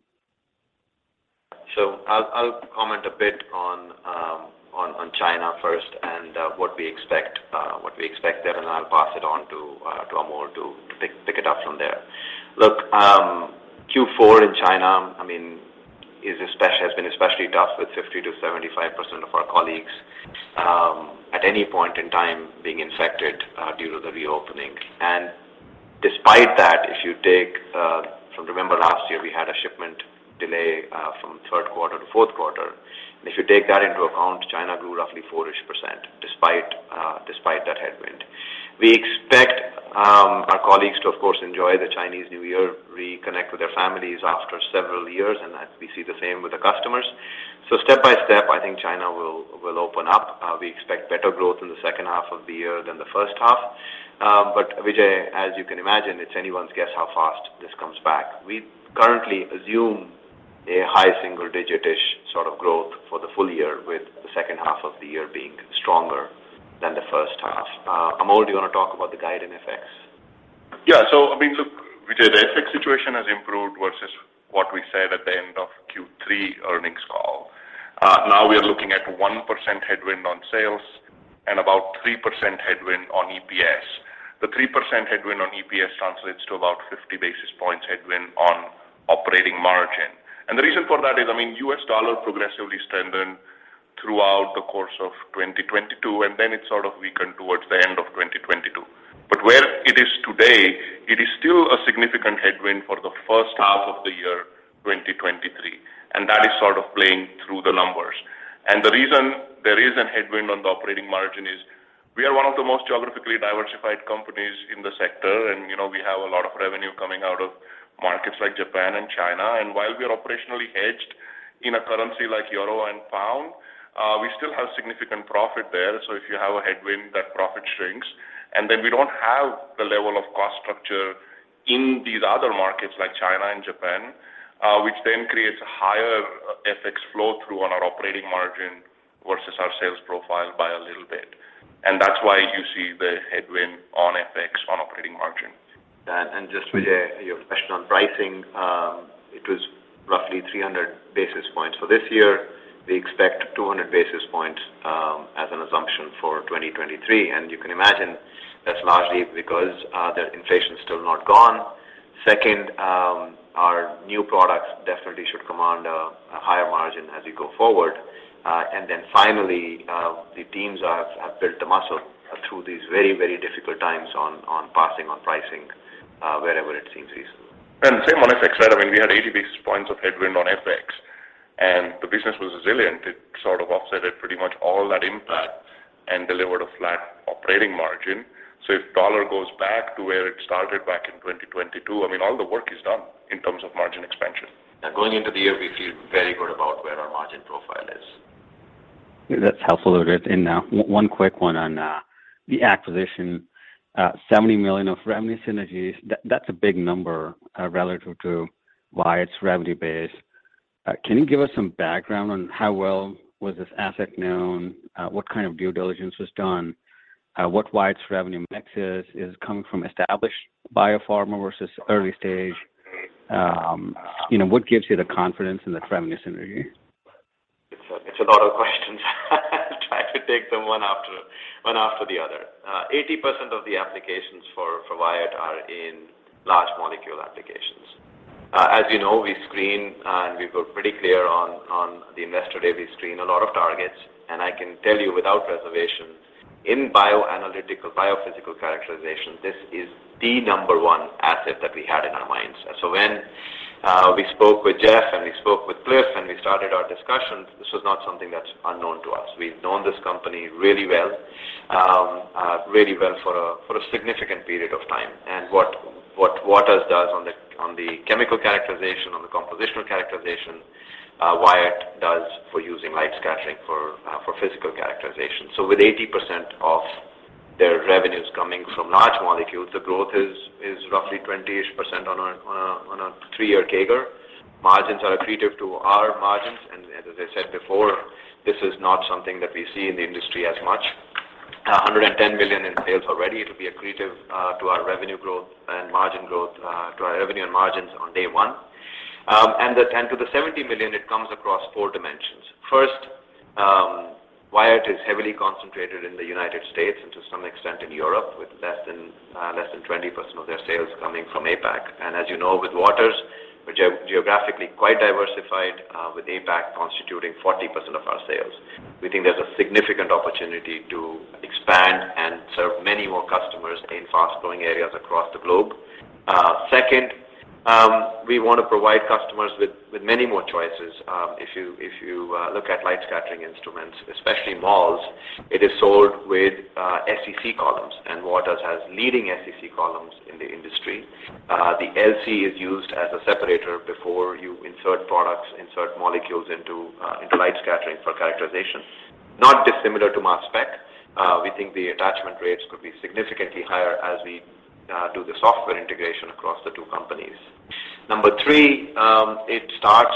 I'll comment a bit on China first and what we expect there, and I'll pass it on to Amol to pick it up from there. Look, I mean, Q4 in China has been especially tough with 50%-75% of our colleagues at any point in time being infected due to the reopening. Despite that, if you take from November last year, we had a shipment delay from third quarter to fourth quarter. If you take that into account, China grew roughly 4% despite that headwind. We expect our colleagues to, of course, enjoy the Chinese New Year, reconnect with their families after several years, and we see the same with the customers. Step by step, I think China will open up. We expect better growth in the second half of the year than the first half. Vijay, as you can imagine, it's anyone's guess how fast this comes back. We currently assume a high single digit-ish sort of growth for the full-year with the second half of the year being stronger than the first half. Amol, do you wanna talk about the guide in FX? Yeah. I mean, look, Vijay, the FX situation has improved versus what we said at the end of Q3 earnings call. Now we are looking at 1% headwind on sales and about 3% headwind on EPS. The 3% headwind on EPS translates to about 50 basis points headwind on operating margin. The reason for that is, I mean, U.S. dollar progressively strengthened throughout the course of 2022, and then it sort of weakened towards the end of 2022. Where it is today, it is still a significant headwind for the first half of the year, 2023, and that is sort of playing through the numbers. The reason there is an headwind on the operating margin is we are one of the most geographically diversified companies in the sector, you know, we have a lot of revenue coming out of markets like Japan and China. While we are operationally hedged in a currency like euro and pound, we still have significant profit there. If you have a headwind, that profit shrinks. Then we don't have the level of cost structure in these other markets like China and Japan, which then creates a higher FX flow through on our operating margin versus our sales profile by a little bit. That's why you see the headwind on FX on operating margin. Just, Vijay, your question on pricing, it was roughly 300 basis points. This year we expect 200 basis points as an assumption for 2023. You can imagine that's largely because the inflation's still not gone. Second, our new products definitely should command a higher margin as we go forward. Finally, the teams have built the muscle through these very, very difficult times on passing on pricing wherever it seems reasonable. Same on FX side. I mean, we had 80 basis points of headwind on FX, and the business was resilient. It sort of offsetted pretty much all that impact and delivered a flat operating margin. If dollar goes back to where it started back in 2022, I mean, all the work is done in terms of margin expansion. Going into the year, we feel very good about where our margin profile is. That's helpful, Udit. Now one quick one on the acquisition. $70 million of revenue synergies, that's a big number relative to Wyatt's revenue base. Can you give us some background on how well was this asset known? What kind of due diligence was done? What Wyatt's revenue mix is coming from established biopharma versus early stage? You know, what gives you the confidence in the revenue synergy? It's a lot of questions. I'll try to take them one after the other. 80% of the applications for Wyatt are in large molecule applications. As you know, we screen, and we were pretty clear on the Investor Day, we screen a lot of targets. I can tell you without reservation, in bioanalytical, biophysical characterization, this is the number one asset that we had in our mindset. When we spoke with Geof and we spoke with Cliff and we started our discussions, this was not something that's unknown to us. We've known this company really well, really well for a significant period of time. What Waters does on the chemical characterization, on the compositional characterization, Wyatt does for using light scattering for physical characterization. With 80% of their revenues coming from large molecules, the growth is roughly 20%-ish on a three-year CAGR. Margins are accretive to our margins. As I said before, this is not something that we see in the industry as much. $110 million in sales already. It'll be accretive to our revenue growth and margin growth to our revenue and margins on day one. To the $70 million, it comes across four dimensions. First, Wyatt is heavily concentrated in the United States and to some extent in Europe, with less than 20% of their sales coming from APAC. As you know, with Waters, we're geographically quite diversified with APAC constituting 40% of our sales. We think there's a significant opportunity to expand and serve many more customers in fast-growing areas across the globe. Second, we wanna provide customers with many more choices. If you look at light scattering instruments, especially MALS, it is sold with SEC columns, and Waters has leading SEC columns in the industry. The LC is used as a separator before you insert products, insert molecules into light scattering for characterization. Not dissimilar to Mass Spec, we think the attachment rates could be significantly higher as we do the software integration across the two companies. Number three, it starts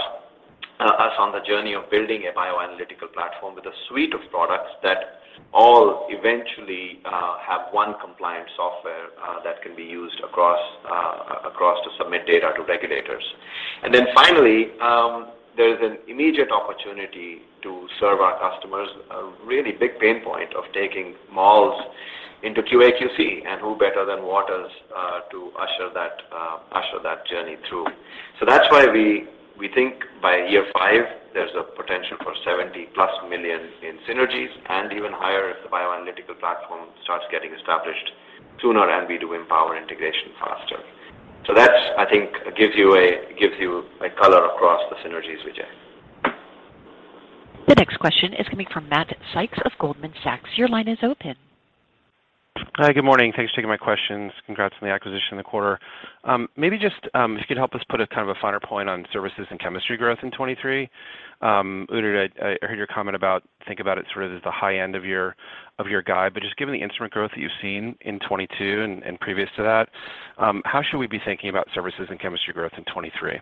us on the journey of building a bioanalytical platform with a suite of products that all eventually have one compliant software that can be used across across to submit data to regulators. There's an immediate opportunity to serve our customers a really big pain point of taking MALS into QA/QC, and who better than Waters to usher that journey through. That's why we think by year five, there's a potential for $70 million-plus in synergies and even higher if the bioanalytical platform starts getting established sooner and we do Empower integration faster. That, I think, gives you a color across the synergies, Vijay. The next question is coming from Matt Sykes of Goldman Sachs. Your line is open. Hi. Good morning. Thanks for taking my questions. Congrats on the acquisition in the quarter. Maybe just, if you could help us put a kind of a finer point on services and chemistry growth in 2023. Udit, I heard your comment about think about it sort of as the high end of your guide. Just given the instrument growth that you've seen in 2022 and previous to that, how should we be thinking about services and chemistry growth in 2023? Yeah.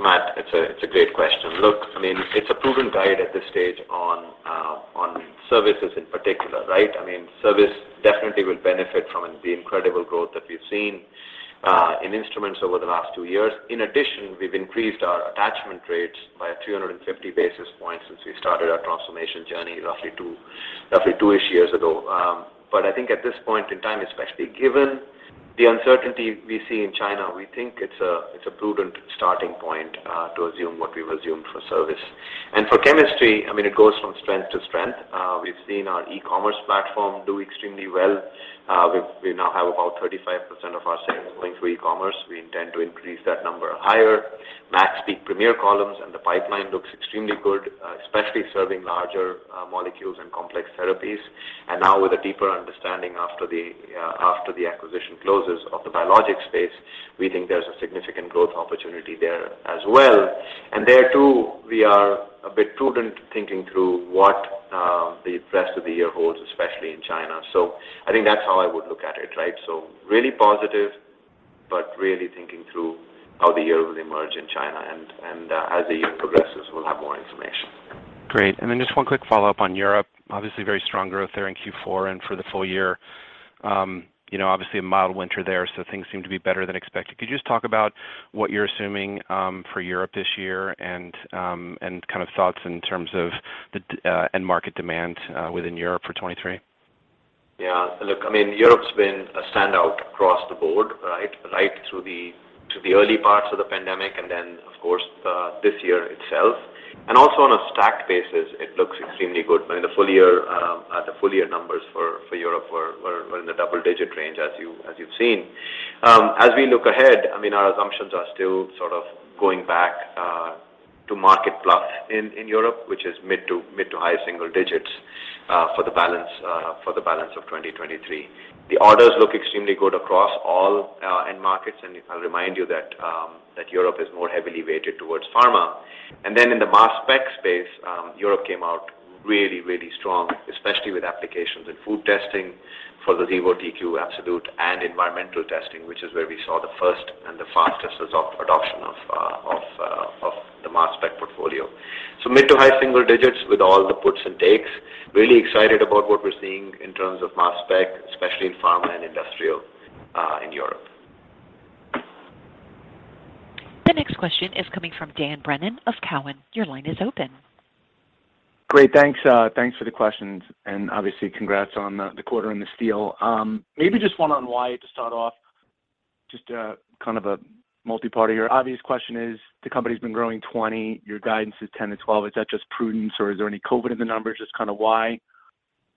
Matt, it's a great question. Look, I mean, it's a proven guide at this stage on services in particular, right? I mean, service definitely will benefit from the incredible growth that we've seen in instruments over the last two years. In addition, we've increased our attachment rates by 350 basis points since we started our transformation journey roughly two-ish years ago. I think at this point in time, especially given the uncertainty we see in China, we think it's a prudent starting point to assume what we've assumed for service. For chemistry, I mean, it goes from strength to strength. We now have about 35% of our sales going through e-commerce. We intend to increase that number higher. MaxPeak Premier Columns and the pipeline looks extremely good, especially serving larger molecules and complex therapies. Now with a deeper understanding after the after the acquisition closes of the biologics space, we think there's a significant growth opportunity there as well. There, too, we are a bit prudent thinking through what the rest of the year holds, especially in China. I think that's how I would look at it, right? Really positive, but really thinking through how the year will emerge in China. As the year progresses, we'll have more information. Great. Just one quick follow-up on Europe. Obviously very strong growth there in Q4 and for the full-year. You know, obviously a mild winter there, so things seem to be better than expected. Could you just talk about what you're assuming for Europe this year and kind of thoughts in terms of the end market demand within Europe for 2023? Yeah. Look, I mean, Europe's been a standout across the board, right? Right through the early parts of the pandemic and then of course, this year itself. Also on a stack basis, it looks extremely good. I mean, the full-year numbers for Europe were in the double-digit range, as you've seen. As we look ahead, I mean, our assumptions are still sort of going back to market plus in Europe, which is mid to high single digits, for the balance of 2023. The orders look extremely good across all end markets, I'll remind you that Europe is more heavily weighted towards pharma. In the Mass Spec space, Europe came out really, really strong, especially with applications in food testing for the Xevo TQ Absolute and environmental testing, which is where we saw the first and the fastest adoption of the Mass Spec portfolio. Mid to high single digits with all the puts and takes. Really excited about what we're seeing in terms of Mass Spec, especially in pharma and industrial in Europe. The next question is coming from Dan Brennan of Cowen. Your line is open. Great. Thanks, thanks for the questions. Obviously congrats on the quarter and the deal. Maybe just one on Wyatt to start off. Just kind of a multi-part here. Obvious question is, the company's been growing 20%, your guidance is 10%-12%. Is that just prudence, or is there any COVID in the numbers? Just kind of why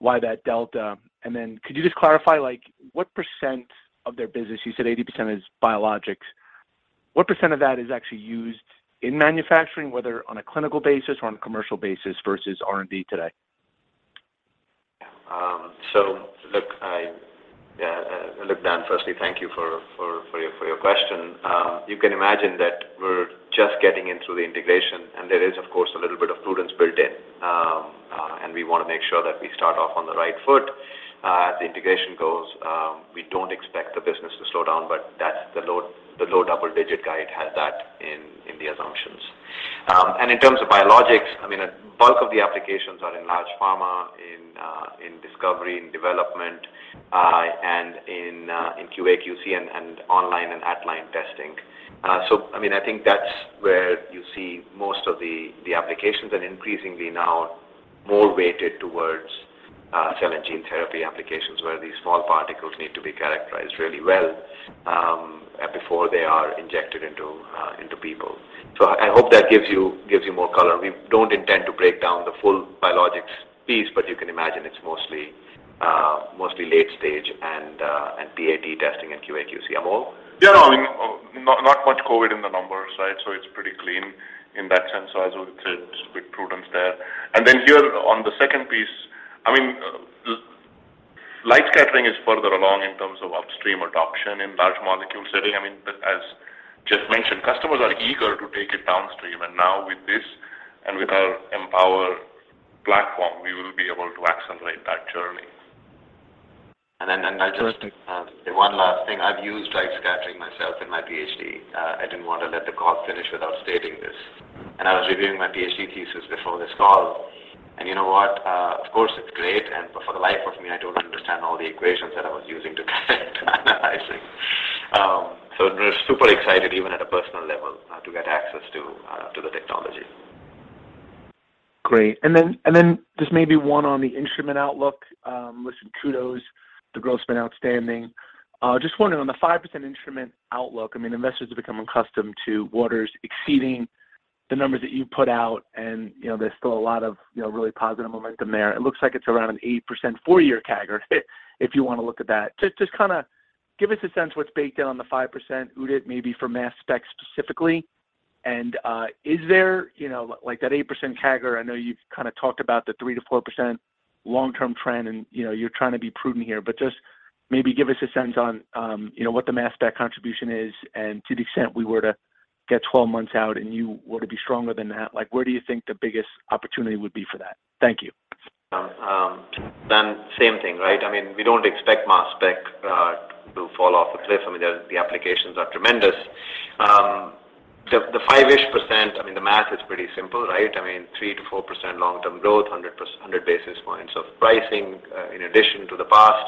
that delta? Could you just clarify, like, what percent of their business, you said 80% is biologics. What percent of that is actually used in manufacturing, whether on a clinical basis or on a commercial basis versus R&D today? Yeah. Look, I look, Dan, firstly, thank you for your question. You can imagine that we're just getting in through the integration, and there is, of course, a little bit of prudence built in. We want to make sure that we start off on the right foot. As the integration goes, we don't expect the business to slow down, but that's the low double-digit guide has that in the assumptions. In terms of biologics, I mean, a bulk of the applications are in large pharma, in discovery, in development, and in QA/QC, and online and at-line testing. I mean, I think that's where you see most of the applications and increasingly now more weighted towards cell and gene therapy applications where these small particles need to be characterized really well before they are injected into people. I hope that gives you, gives you more color. We don't intend to break down the full biologics piece, but you can imagine it's mostly late stage and PAT testing and QA/QC. Amol? Yeah, no, I mean, not much COVID in the numbers, right? It's pretty clean in that sense. As we said, bit prudence there. Here on the second piece, I mean, light scattering is further along in terms of upstream adoption in large molecule setting. I mean, as Geof mentioned, customers are eager to take it downstream. Now with this and with our Empower platform, we will be able to accelerate that journey. I'll just say one last thing. I've used light scattering myself in my PhD. I didn't want to let the call finish without stating this. I was reviewing my PhD thesis before this call. You know what? Of course, it's great, and for the life of me, I don't understand all the equations that I was using to kind of analyze things. Super excited even at a personal level to get access to the technology. Great. Just maybe one on the instrument outlook. Listen, kudos. The growth's been outstanding. Just wondering on the 5% instrument outlook, I mean, investors have become accustomed to Waters exceeding the numbers that you put out and, you know, there's still a lot of, you know, really positive momentum there. It looks like it's around an 8% four-year CAGR if you wanna look at that. Just kinda give us a sense of what's baked in on the 5%, Udit, maybe for Mass Spec specifically. Is there, you know, like that 8% CAGR, I know you've kind of talked about the 3%-4% long-term trend and, you know, you're trying to be prudent here, but just maybe give us a sense on, you know, what the Mass Spec contribution is and to the extent we were to get 12 months out and you were to be stronger than that, like, where do you think the biggest opportunity would be for that? Thank you. Same thing, right? I mean, we don't expect Mass Spec to fall off a cliff. I mean, the applications are tremendous. The 5%-ish, I mean, the math is pretty simple, right? I mean, 3%-4% long-term growth, 100 basis points of pricing, in addition to the past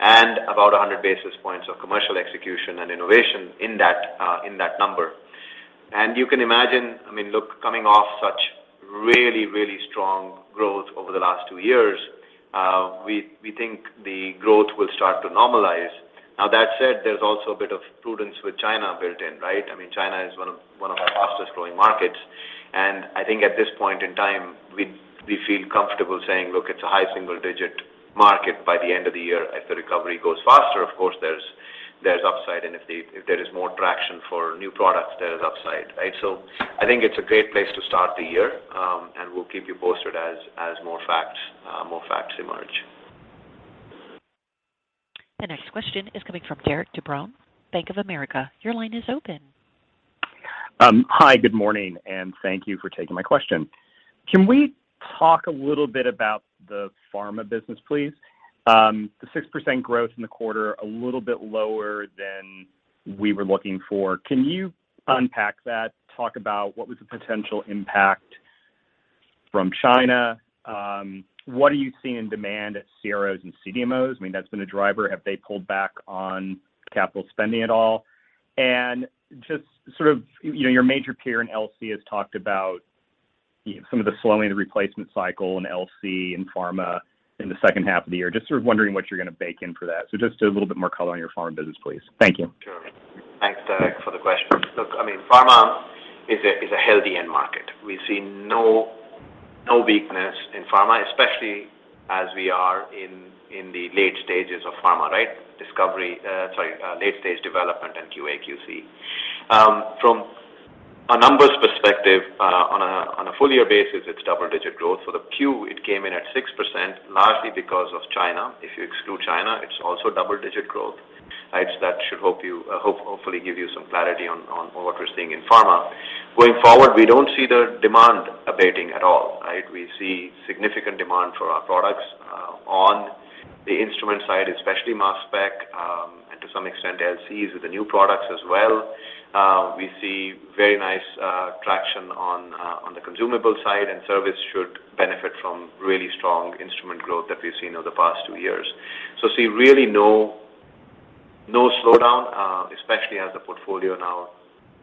and about 100 basis points of commercial execution and innovation in that number. You can imagine, I mean, look, coming off such really, really strong growth over the last two years, we think the growth will start to normalize. Now that said, there's also a bit of prudence with China built in, right? I mean, China is one of our fastest-growing markets. I think at this point in time, we feel comfortable saying, look, it's a high single-digit market by the end of the year. If the recovery goes faster, of course, there's upside. If there is more traction for new products, there is upside, right? I think it's a great place to start the year, and we'll keep you posted as more facts emerge. The next question is coming from Derik De Bruin, Bank of America. Your line is open. Hi. Good morning, and thank you for taking my question. Can we talk a little bit about the pharma business, please? The 6% growth in the quarter, a little bit lower than we were looking for. Can you unpack that? Talk about what was the potential impact from China. What are you seeing in demand at CROs and CDMOs? I mean, that's been a driver. Have they pulled back on capital spending at all? Just sort of, you know, your major peer in LC has talked about some of the slowing of the replacement cycle in LC and pharma in the second half of the year. Just sort of wondering what you're gonna bake in for that. Just a little bit more color on your pharma business, please. Thank you. Sure. Thanks, Derik, for the question. Look, I mean, pharma is a healthy end market. We see no weakness in pharma, especially as we are in the late stages of pharma, right? Sorry, late-stage development and QA/QC. From a numbers perspective, on a full-year basis, it's double-digit growth. For the Q, it came in at 6%, largely because of China. If you exclude China, it's also double-digit growth. Right? That should hopefully give you some clarity on what we're seeing in pharma. Going forward, we don't see the demand abating at all, right? We see significant demand for our products, on the instrument side, especially Mass Spec, and to some extent, LCs with the new products as well. We see very nice traction on the consumable side, and service should benefit from really strong instrument growth that we've seen over the past two years. See really no slowdown, especially as the portfolio now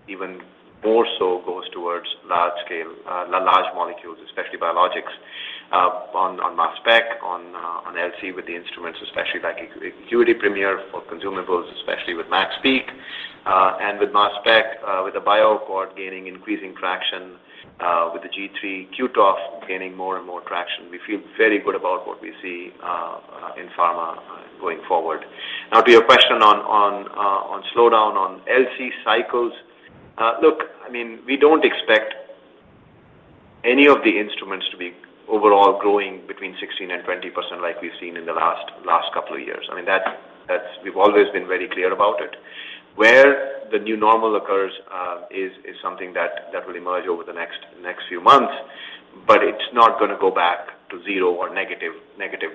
even more so goes towards large scale, large molecules, especially biologics, on Mass Spec, on LC with the instruments, especially like ACQUITY Premier for consumables, especially with MaxPeak. With Mass Spec, with the BioAccord gaining increasing traction, with the G3 QTOF gaining more and more traction. We feel very good about what we see in pharma going forward. To your question on slowdown on LC cycles. Look, I mean, we don't expect any of the instruments to be overall growing between 16%-20% like we've seen in the last couple of years. I mean, that's. We've always been very clear about it. Where the new normal occurs is something that will emerge over the next few months, but it's not gonna go back to zero or negative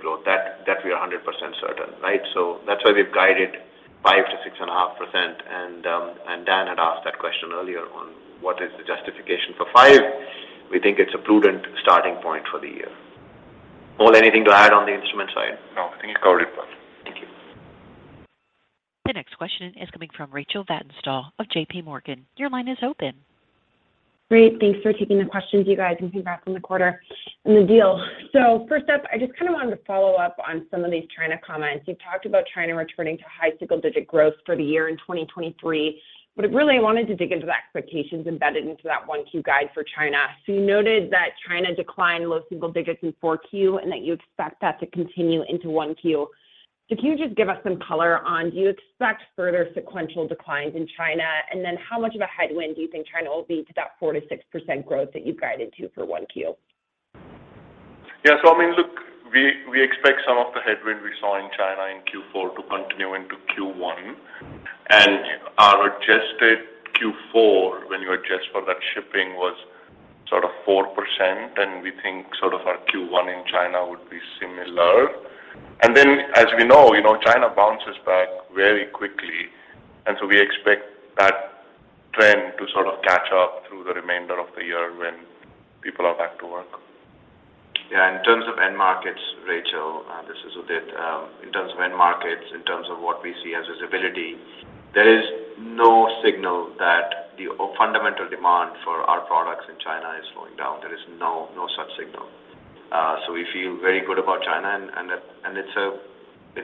growth. That we are 100% certain, right? That's why we've guided 5%-6.5%. Dan had asked that question earlier on what is the justification for five. We think it's a prudent starting point for the year. Amol, anything to add on the instrument side? No. I think you covered it well. Thank you. The next question is coming from Rachel Vatnsdal of JPMorgan. Your line is open. Great. Thanks for taking the questions, you guys, and congrats on the quarter and the deal. First up, I just kind of wanted to follow up on some of these China comments. You've talked about China returning to high single-digit growth for the year in 2023, but I really wanted to dig into the expectations embedded into that 1Q guide for China. You noted that China declined low single digits in 4Q, and that you expect that to continue into 1Q. Can you just give us some color on, do you expect further sequential declines in China? And then how much of a headwind do you think China will be to that 4%-6% growth that you've guided to for 1Q? Yeah. I mean, look, we expect some of the headwind we saw in China in Q4 to continue into Q1. Our adjusted Q4 when you adjust for that shipping was sort of 4%, and we think sort of our Q1 in China would be similar. As we know, you know, China bounces back very quickly, and so we expect that trend to sort of catch up through the remainder of the year when people are back to work. Yeah. In terms of end markets, Rachel, this is Udit. In terms of end markets, in terms of what we see as visibility, there is no signal that the fundamental demand for our products in China is slowing down. There is no such signal. We feel very good about China and it's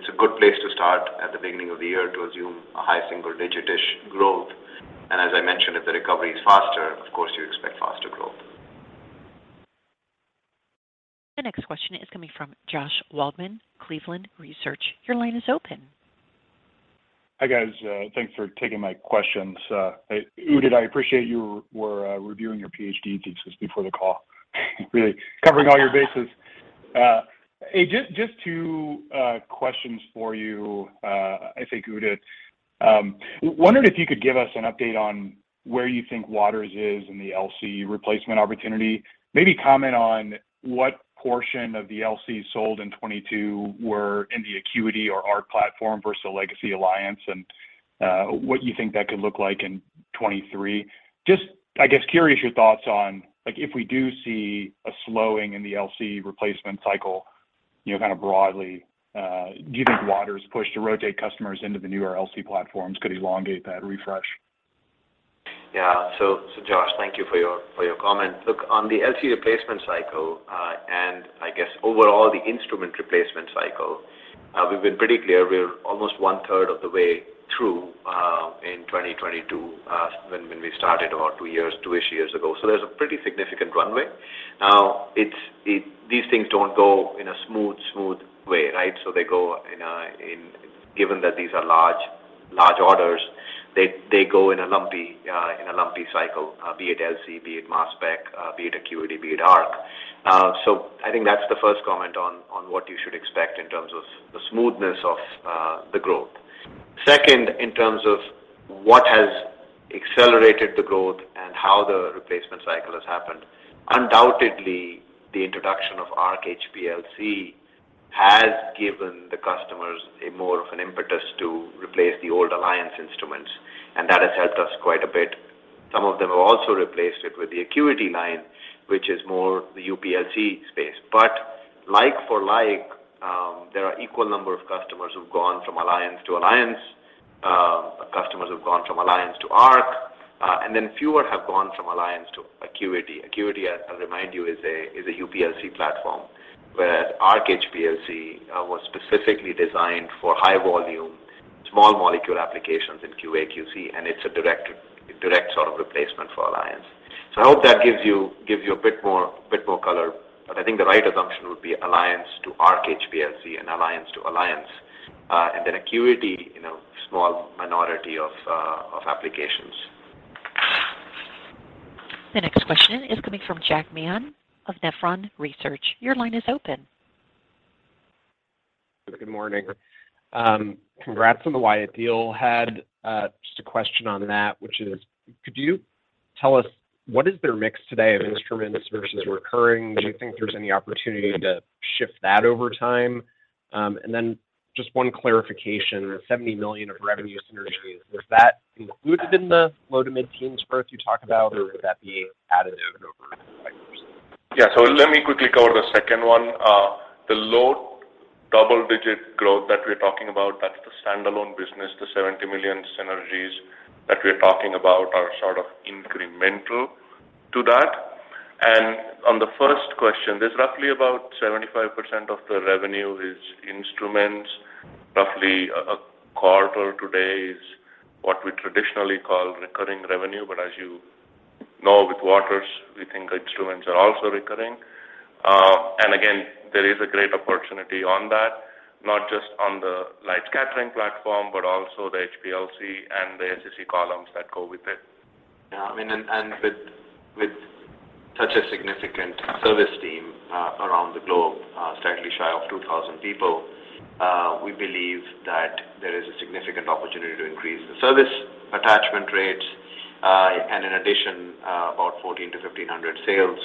a good place to start at the beginning of the year to assume a high single-digit-ish growth. As I mentioned, if the recovery is faster, of course you expect faster growth. The next question is coming from Josh Waldman, Cleveland Research. Your line is open. Hi, guys. Thanks for taking my questions. Udit, I appreciate you were reviewing your PhD thesis before the call. Really covering all your bases. Just two questions for you, I think, Udit. Wondering if you could give us an update on where you think Waters is in the LC replacement opportunity. Maybe comment on what portion of the LC sold in 2022 were in the ACQUITY or Arc platform versus the Legacy Alliance and what you think that could look like in 2023. Just, I guess, curious your thoughts on, like, if we do see a slowing in the LC replacement cycle, you know, kind of broadly, do you think Waters' push to rotate customers into the newer LC platforms could elongate that refresh? Josh, thank you for your comment. Look, on the LC replacement cycle, and I guess overall the instrument replacement cycle, we've been pretty clear we're almost one third of the way through in 2022, when we started about two years, two-ish years ago. There's a pretty significant runway. Now, these things don't go in a smooth way, right? They go in a, Given that these are large orders, they go in a lumpy cycle, be it LC, be it Mass Spec, be it ACQUITY, be it Arc. I think that's the first comment on what you should expect in terms of the smoothness of the growth. Second, in terms of what has accelerated the growth and how the replacement cycle has happened, undoubtedly the introduction of Arc HPLC has given the customers a more of an impetus to replace the old Alliance instruments, and that has helped us quite a bit. Some of them have also replaced it with the ACQUITY line, which is more the UPLC space. Like for like, there are equal number of customers who've gone from Alliance to Alliance, customers who've gone from Alliance to Arc, and then fewer have gone from Alliance to ACQUITY. ACQUITY, I'll remind you, is a UPLC platform, whereas Arc HPLC was specifically designed for high volume, small molecule applications in QA/QC, and it's a direct sort of replacement for Alliance. I hope that gives you a bit more, a bit more color. I think the right assumption would be Alliance to Arc HPLC and Alliance to Alliance, and then ACQUITY in a small minority of applications. The next question is coming from Jack Meehan of Nephron Research. Your line is open. Good morning. Congrats on the Wyatt deal. Had just a question on that, which is, could you tell us what is their mix today of instruments versus recurring? Do you think there's any opportunity to shift that over time? Then just one clarification, the $70 million of revenue synergies, is that included in the low to mid-teens growth you talked about, or would that be additive over? Yeah. Let me quickly cover the second one. The low double-digit growth that we're talking about, that's the standalone business. The $70 million synergies that we're talking about are sort of incremental to that. On the first question, there's roughly about 75% of the revenue is instruments. Roughly a quarter today is what we traditionally call recurring revenue. As you know with Waters, we think instruments are also recurring. Again, there is a great opportunity on that, not just on the light scattering platform, but also the HPLC and the SEC columns that go with it. Yeah. I mean, with such a significant service team, around the globe, slightly shy of 2,000 people. We believe that there is a significant opportunity to increase the service attachment rates. In addition, about 1,400 to 1,500 field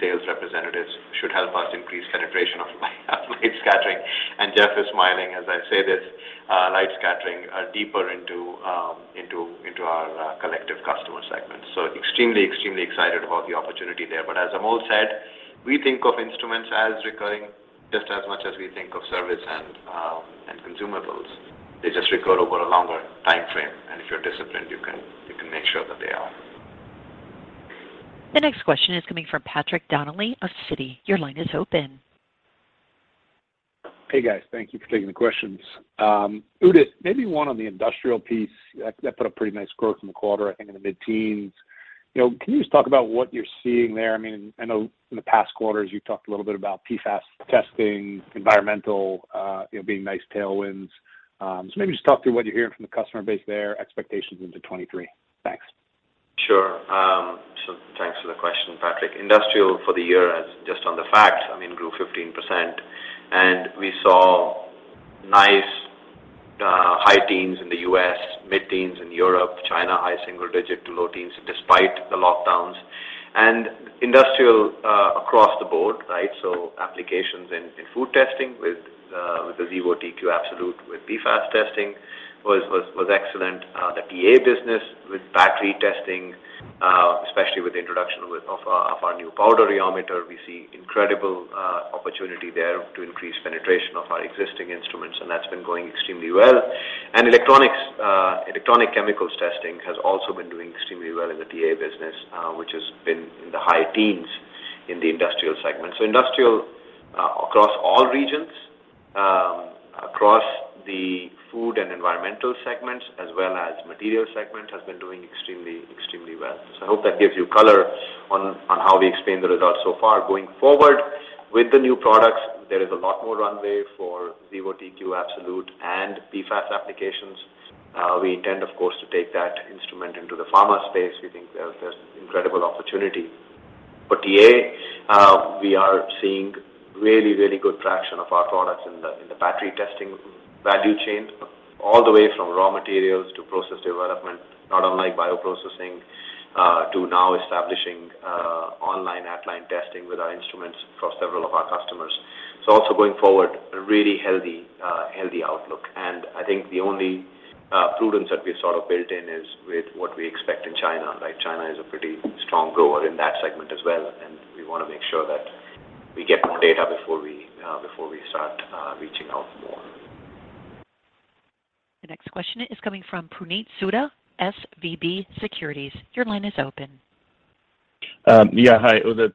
sales representatives should help us increase penetration of light scattering. Geof is smiling as I say this, light scattering deeper into our collective customer segments. Extremely excited about the opportunity there. As Amol said, we think of instruments as recurring just as much as we think of service and consumables. They just recur over a longer timeframe, and if you're disciplined, you can make sure that they are. The next question is coming from Patrick Donnelly of Citi. Your line is open. Hey, guys. Thank you for taking the questions. Udit, maybe one on the industrial piece. That put a pretty nice growth in the quarter, I think in the mid-teens. You know, can you just talk about what you're seeing there? I mean, I know in the past quarters you've talked a little bit about PFAS testing, environmental, you know, being nice tailwinds. Maybe just talk through what you're hearing from the customer base there, expectations into 2023. Thanks. Sure. Thanks for the question, Patrick. Industrial for the year, as just on the facts, I mean, grew 15%. We saw nice high teens in the U.S., mid-teens in Europe, China, high single digit to low teens despite the lockdowns. Industrial across the board, right? Applications in food testing with the Xevo TQ Absolute with PFAS testing was excellent. The TA business with battery testing, especially with the introduction of our new powder rheometer, we see incredible opportunity there to increase penetration of our existing instruments, and that's been going extremely well. Electronics, electronic chemicals testing has also been doing extremely well in the TA business, which has been in the high teens in the industrial segment. Industrial across all regions, across the food and environmental segments as well as materials segment, has been doing extremely well. I hope that gives you color on how we explain the results so far. Going forward, with the new products, there is a lot more runway for Xevo TQ Absolute and PFAS applications. We intend, of course, to take that instrument into the pharma space. We think there's incredible opportunity. For TA, we are seeing really, really good traction of our products in the battery testing value chain, all the way from raw materials to process development, not unlike bioprocessing, to now establishing online at-line testing with our instruments across several of our customers. Also going forward, a really healthy outlook. I think the only prudence that we've sort of built in is with what we expect in China, right? China is a pretty strong grower in that segment as well, and we wanna make sure that we get more data before we, before we start, reaching out more. The next question is coming from Puneet Souda, SVB Securities. Your line is open. Yeah. Hi, Udit,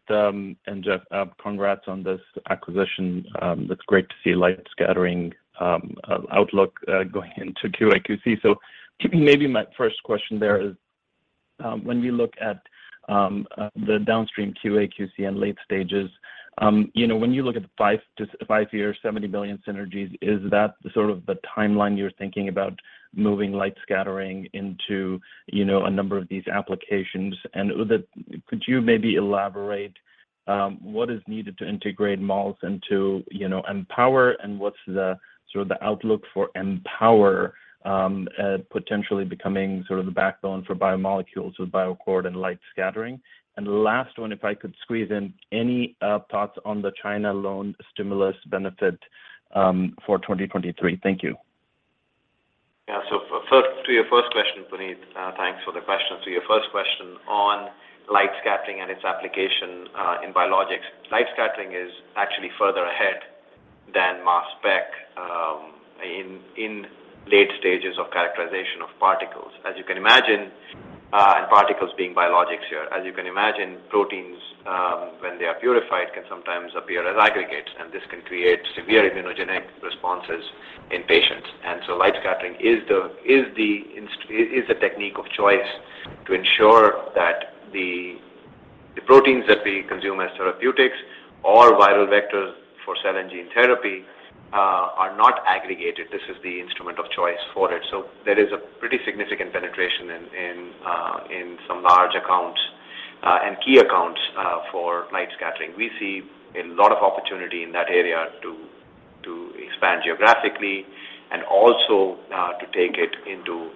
and Geof. Congrats on this acquisition. It's great to see light scattering going into QA/QC. Maybe my first question there is, when we look at the downstream QA/QC and late stages, you know, when you look at five-year, $70 million synergies, is that sort of the timeline you're thinking about moving light scattering into, you know, a number of these applications? Udit, could you maybe elaborate what is needed to integrate MALS into, you know, Empower and what's the sort of the outlook for Empower potentially becoming sort of the backbone for biomolecules with BioAccord and light scattering? Last one, if I could squeeze in any thoughts on the China loan stimulus benefit for 2023. Thank you. Yeah. To your first question, Puneet, thanks for the question. To your first question on light scattering and its application in biologics. Light scattering is actually further ahead than Mass Spec in late stages of characterization of particles. As you can imagine, particles being biologics here. As you can imagine, proteins, when they are purified, can sometimes appear as aggregates, and this can create severe immunogenic responses in patients. Light scattering is the technique of choice to ensure that the proteins that we consume as therapeutics or viral vectors for cell and gene therapy are not aggregated. This is the instrument of choice for it. There is a pretty significant penetration in some large accounts, key accounts for light scattering. We see a lot of opportunity in that area to expand geographically and also to take it into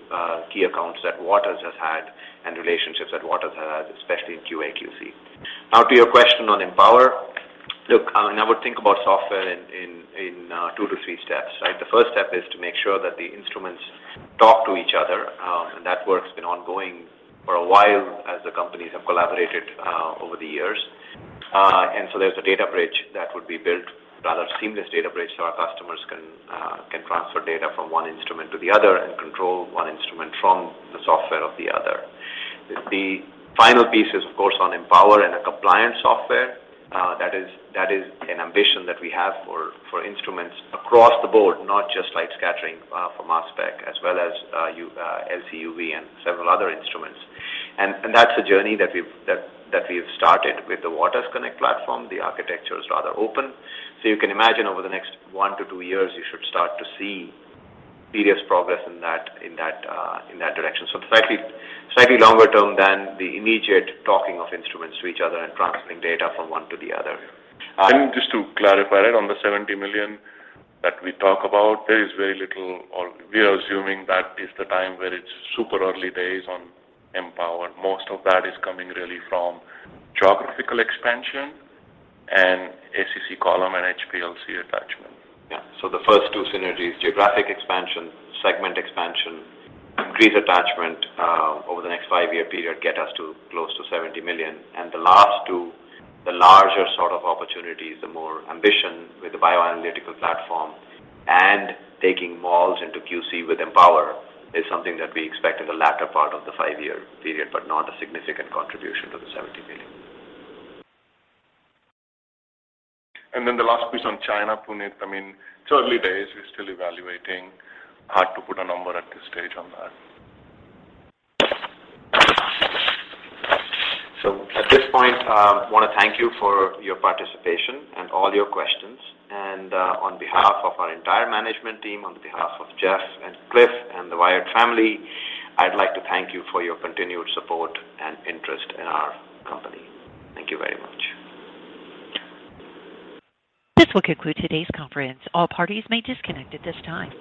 key accounts that Waters has had and relationships that Waters has had, especially in QA/QC. To your question on Empower. Look, I would think about software in two to three steps, right? The first step is to make sure that the instruments talk to each other, and that work's been ongoing for a while as the companies have collaborated over the years. There's a data bridge that would be built, rather seamless data bridge, so our customers can transfer data from one instrument to the other and control one instrument from the software of the other. The final piece is of course on Empower and a compliance software. That is an ambition that we have for instruments across the board, not just light scattering, for Mass Spec, as well as LC-UV and several other instruments. That's a journey that we've started with the waters_connect platform. The architecture is rather open. You can imagine over the next one to two years, you should start to see serious progress in that direction. Slightly longer term than the immediate talking of instruments to each other and transferring data from one to the other. Just to clarify that on the $70 million that we talk about, there is very little or we are assuming that is the time where it's super early days on Empower. Most of that is coming really from geographical expansion and SEC column and HPLC attachment. The first two synergies, geographic expansion, segment expansion, increased attachment, over the next five-year period get us to close to $70 million. The last two, the larger sort of opportunities, the more ambition with the bioanalytical platform and taking MALS into QC with Empower is something that we expect in the latter part of the five-year period, but not a significant contribution to the $70 million. The last piece on China, Puneet, I mean, it's early days. We're still evaluating. Hard to put a number at this stage on that. At this point, wanna thank you for your participation and all your questions. On behalf of our entire management team, on behalf of Geof and Cliff and the Wyatt family, I'd like to thank you for your continued support and interest in our company. Thank you very much. This will conclude today's conference. All parties may disconnect at this time.